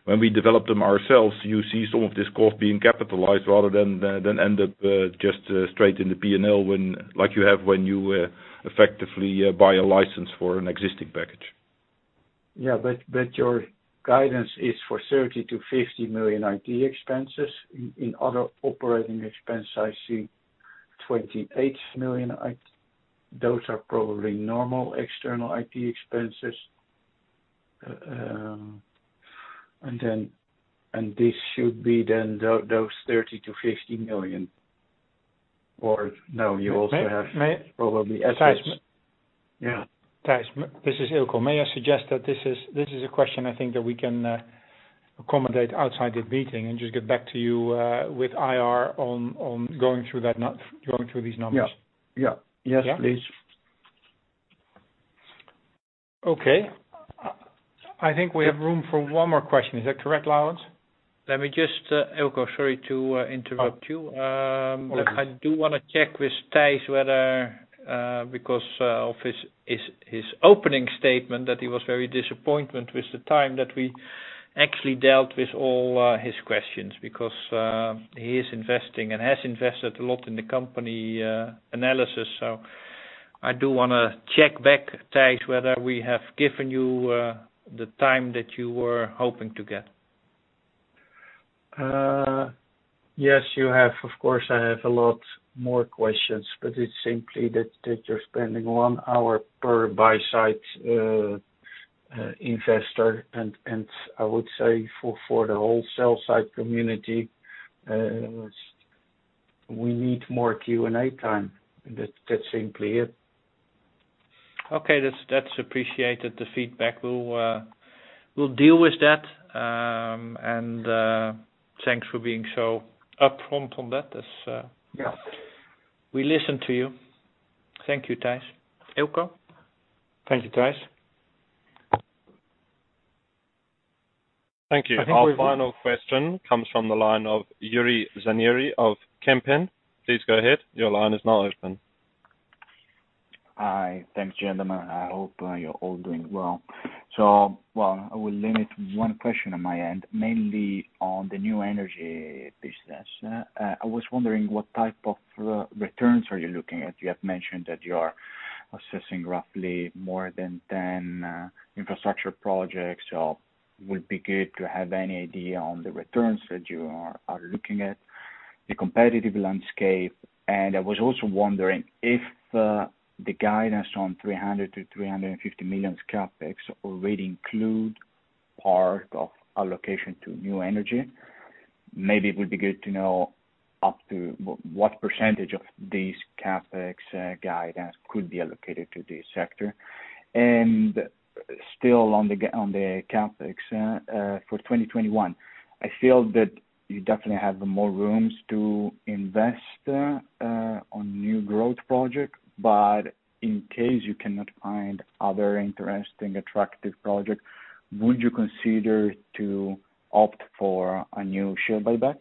when we develop them ourselves, you see some of this cost being capitalized rather than end up just straight in the P&L like you have when you effectively buy a license for an existing package. Yeah. Your guidance is for 30 million-50 million IT expenses. In other operating expenses, I see 28 million. Those are probably normal external IT expenses. This should be then those 30 million-50 million- May I? probably assets. Yeah. Thijs, this is Eelco. May I suggest that this is a question I think that we can accommodate outside the meeting and just get back to you with IR on going through these numbers. Yeah. Yes, please. Okay. I think we have room for one more question. Is that correct, Laurens? Let me just, Eelco, sorry to interrupt you. No problem. I do want to check with Thijs whether, because of his opening statement that he was very disappointment with the time that we actually dealt with all his questions, because he is investing and has invested a lot in the company analysis, so I do want to check back, Thijs, whether we have given you the time that you were hoping to get. Yes, you have. Of course, I have a lot more questions, but it's simply that you're spending one hour per buy-side investor, and I would say for the whole sell-side community, we need more Q&A time. That's simply it. Okay. That's appreciated, the feedback. We'll deal with that. Thanks for being so upfront on that. Yes. We listen to you. Thank you, Thijs. Eelco? Thank you, Thijs. Thank you. Our final question comes from the line of Juri Zanieri of Kempen. Please go ahead. Your line is now open. Hi. Thanks, gentlemen. I hope you're all doing well. I will limit one question on my end, mainly on the new energy business. I was wondering what type of returns are you looking at? You have mentioned that you are assessing roughly more than 10 infrastructure projects. It would be good to have any idea on the returns that you are looking at, the competitive landscape, and I was also wondering if the guidance on 300 million-350 million CapEx already include part of allocation to new energy. Maybe it would be good to know up to what percentage of this CapEx guidance could be allocated to this sector. Still on the CapEx, for 2021, I feel that you definitely have more rooms to invest on new growth projects, but in case you cannot find other interesting, attractive projects, would you consider to opt for a new share buyback?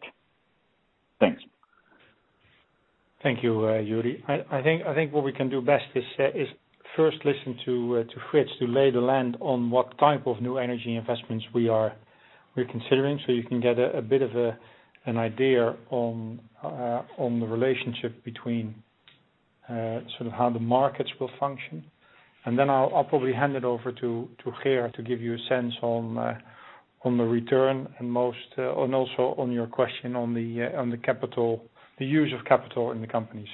Thanks. Thank you, Juri. I think what we can do best is first listen to Frits to lay the land on what type of new energy investments we are considering, so you can get a bit of an idea on the relationship between how the markets will function. Then I'll probably hand it over to Gerard to give you a sense on the return and also on your question on the use of capital in the company.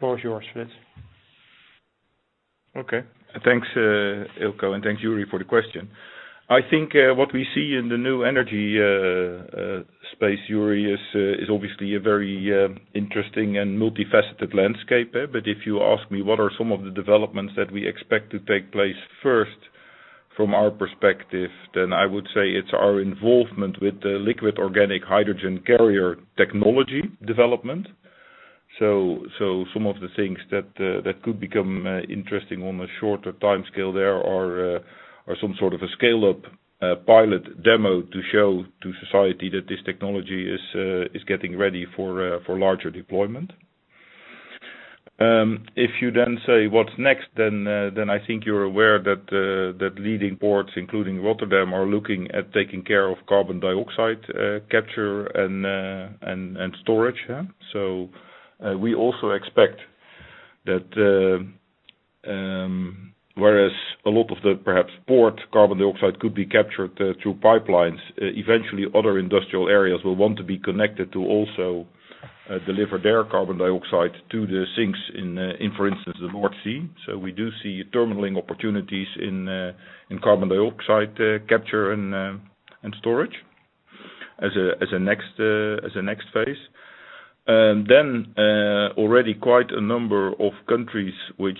Floor is yours, Frits. Thanks, Eelco, and thanks, Juri, for the question. I think what we see in the new energy space, Juri, is obviously a very interesting and multifaceted landscape. If you ask me what are some of the developments that we expect to take place first from our perspective, then I would say it's our involvement with the liquid organic hydrogen carrier technology development. Some of the things that could become interesting on a shorter timescale there are some sort of a scale-up pilot demo to show to society that this technology is getting ready for larger deployment. If you say what's next, I think you're aware that leading ports, including Rotterdam, are looking at taking care of carbon dioxide capture and storage. We also expect that whereas a lot of the port carbon dioxide could be captured through pipelines, eventually other industrial areas will want to be connected to also deliver their carbon dioxide to the sinks in, for instance, the North Sea. We do see terminaling opportunities in carbon dioxide capture and storage as a next phase. Already quite a number of countries which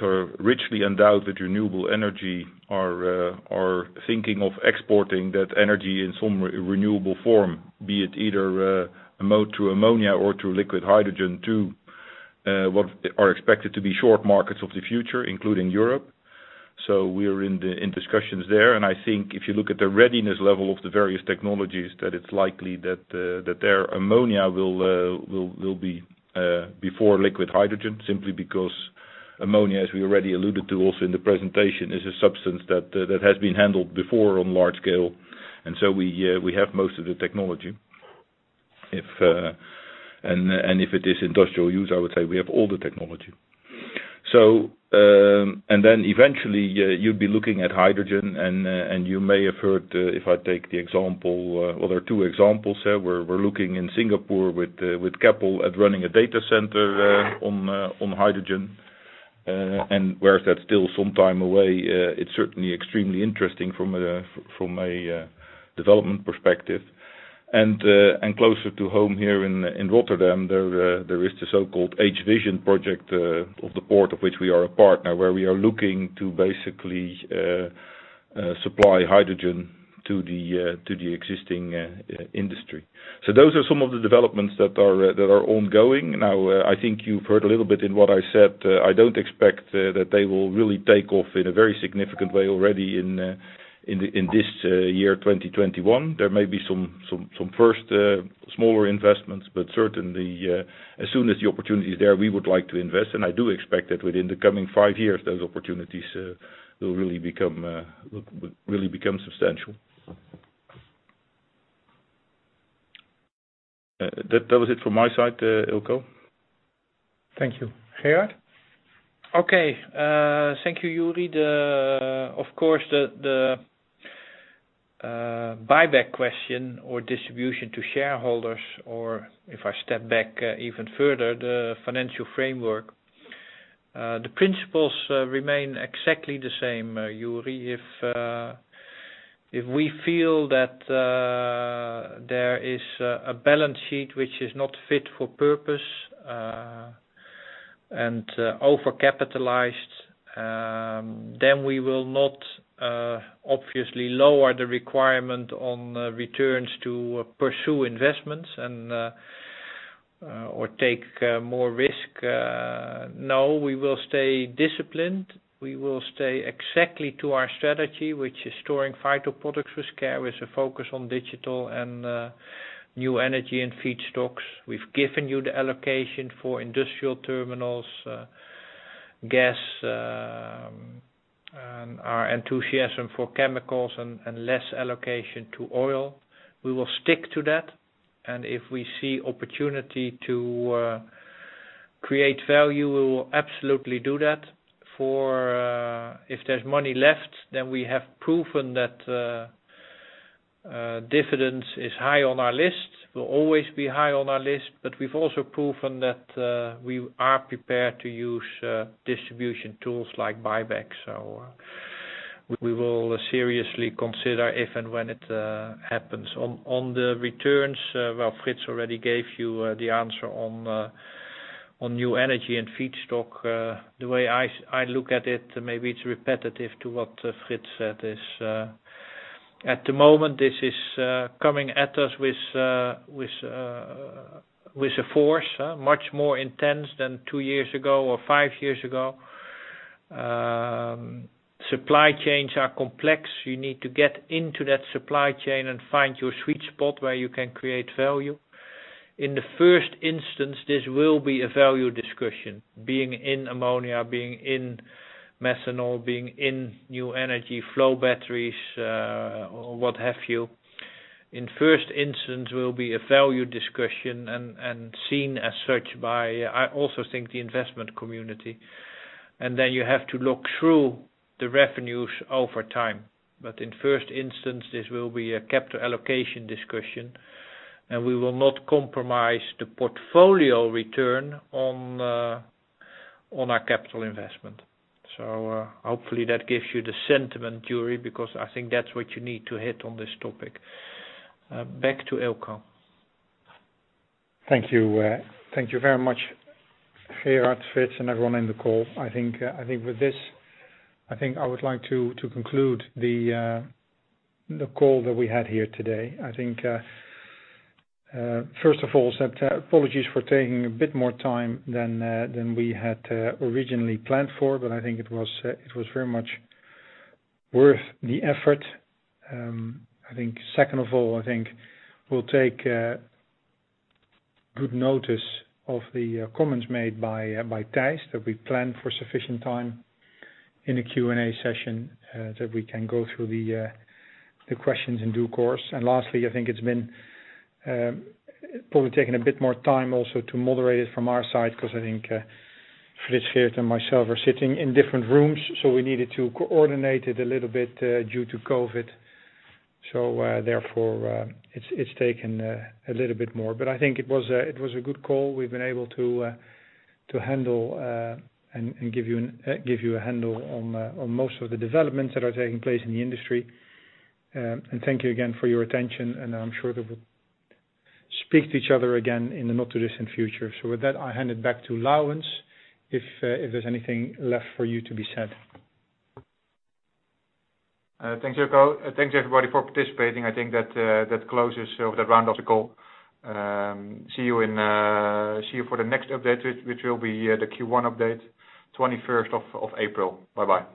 are richly endowed with renewable energy are thinking of exporting that energy in some renewable form, be it either through ammonia or through liquid hydrogen, to what are expected to be short markets of the future, including Europe. We are in discussions there, and I think if you look at the readiness level of the various technologies, that it's likely that their ammonia will be before liquid hydrogen, simply because ammonia, as we already alluded to also in the presentation, is a substance that has been handled before on large scale, and so we have most of the technology. If it is industrial use, I would say we have all the technology. Eventually, you'd be looking at hydrogen, and you may have heard, if I take the example, well, there are two examples there. We're looking in Singapore with Keppel at running a data center on hydrogen. Whereas that's still some time away, it's certainly extremely interesting from a development perspective. Closer to home here in Rotterdam, there is the so-called H-Vision project of the port of which we are a partner, where we are looking to basically supply hydrogen to the existing industry. Those are some of the developments that are ongoing. Now, I think you've heard a little bit in what I said, I don't expect that they will really take off in a very significant way already in this year, 2021. There may be some first smaller investments, certainly, as soon as the opportunity is there, we would like to invest. I do expect that within the coming five years, those opportunities will really become substantial. That was it from my side, Eelco. Thank you. Gerard? Okay. Thank you, Juri. The buyback question or distribution to shareholders, or if I step back even further, the financial framework. The principles remain exactly the same, Juri. If we feel that there is a balance sheet which is not fit for purpose and overcapitalized, then we will not, obviously, lower the requirement on returns to pursue investments or take more risk. We will stay disciplined. We will stay exactly to our strategy, which is storing vital products with care, with a focus on digital and new energy and feedstocks. We've given you the allocation for industrial terminals, gas, and our enthusiasm for chemicals and less allocation to oil. We will stick to that, and if we see opportunity to create value, we will absolutely do that. If there's money left, then we have proven that dividends is high on our list, will always be high on our list, but we've also proven that we are prepared to use distribution tools like buybacks. We will seriously consider if and when it happens. On the returns, well, Frits already gave you the answer on new energy and feedstock. The way I look at it, maybe it's repetitive to what Frits said, is at the moment, this is coming at us with a force much more intense than two years ago or five years ago. Supply chains are complex. You need to get into that supply chain and find your sweet spot where you can create value. In the first instance, this will be a value discussion, being in ammonia, being in methanol, being in new energy, flow batteries, or what have you. In first instance, will be a value discussion and seen as such by, I also think, the investment community. Then you have to look through the revenues over time. In first instance, this will be a capital allocation discussion, and we will not compromise the portfolio return on our capital investment. Hopefully that gives you the sentiment, Juri, because I think that's what you need to hit on this topic. Back to Eelco. Thank you. Thank you very much, Gerard, Frits, and everyone in the call. I think with this, I would like to conclude the call that we had here today. First of all, apologies for taking a bit more time than we had originally planned for, but I think it was very much worth the effort. Second of all, I think we'll take good notice of the comments made by Thijs, that we plan for sufficient time in a Q&A session, that we can go through the questions in due course. Lastly, I think it's been probably taking a bit more time also to moderate it from our side because I think Frits, Gerard, and myself are sitting in different rooms, so we needed to coordinate it a little bit due to COVID-19. Therefore it's taken a little bit more, but I think it was a good call. We've been able to handle and give you a handle on most of the developments that are taking place in the industry. Thank you again for your attention, and I'm sure that we'll speak to each other again in the not-too-distant future. With that, I'll hand it back to Laurens, if there's anything left for you to be said. Thanks, Eelco. Thanks everybody for participating. I think that closes or that rounds off the call. See you for the next update, which will be the Q1 update, 21st of April. Bye-bye.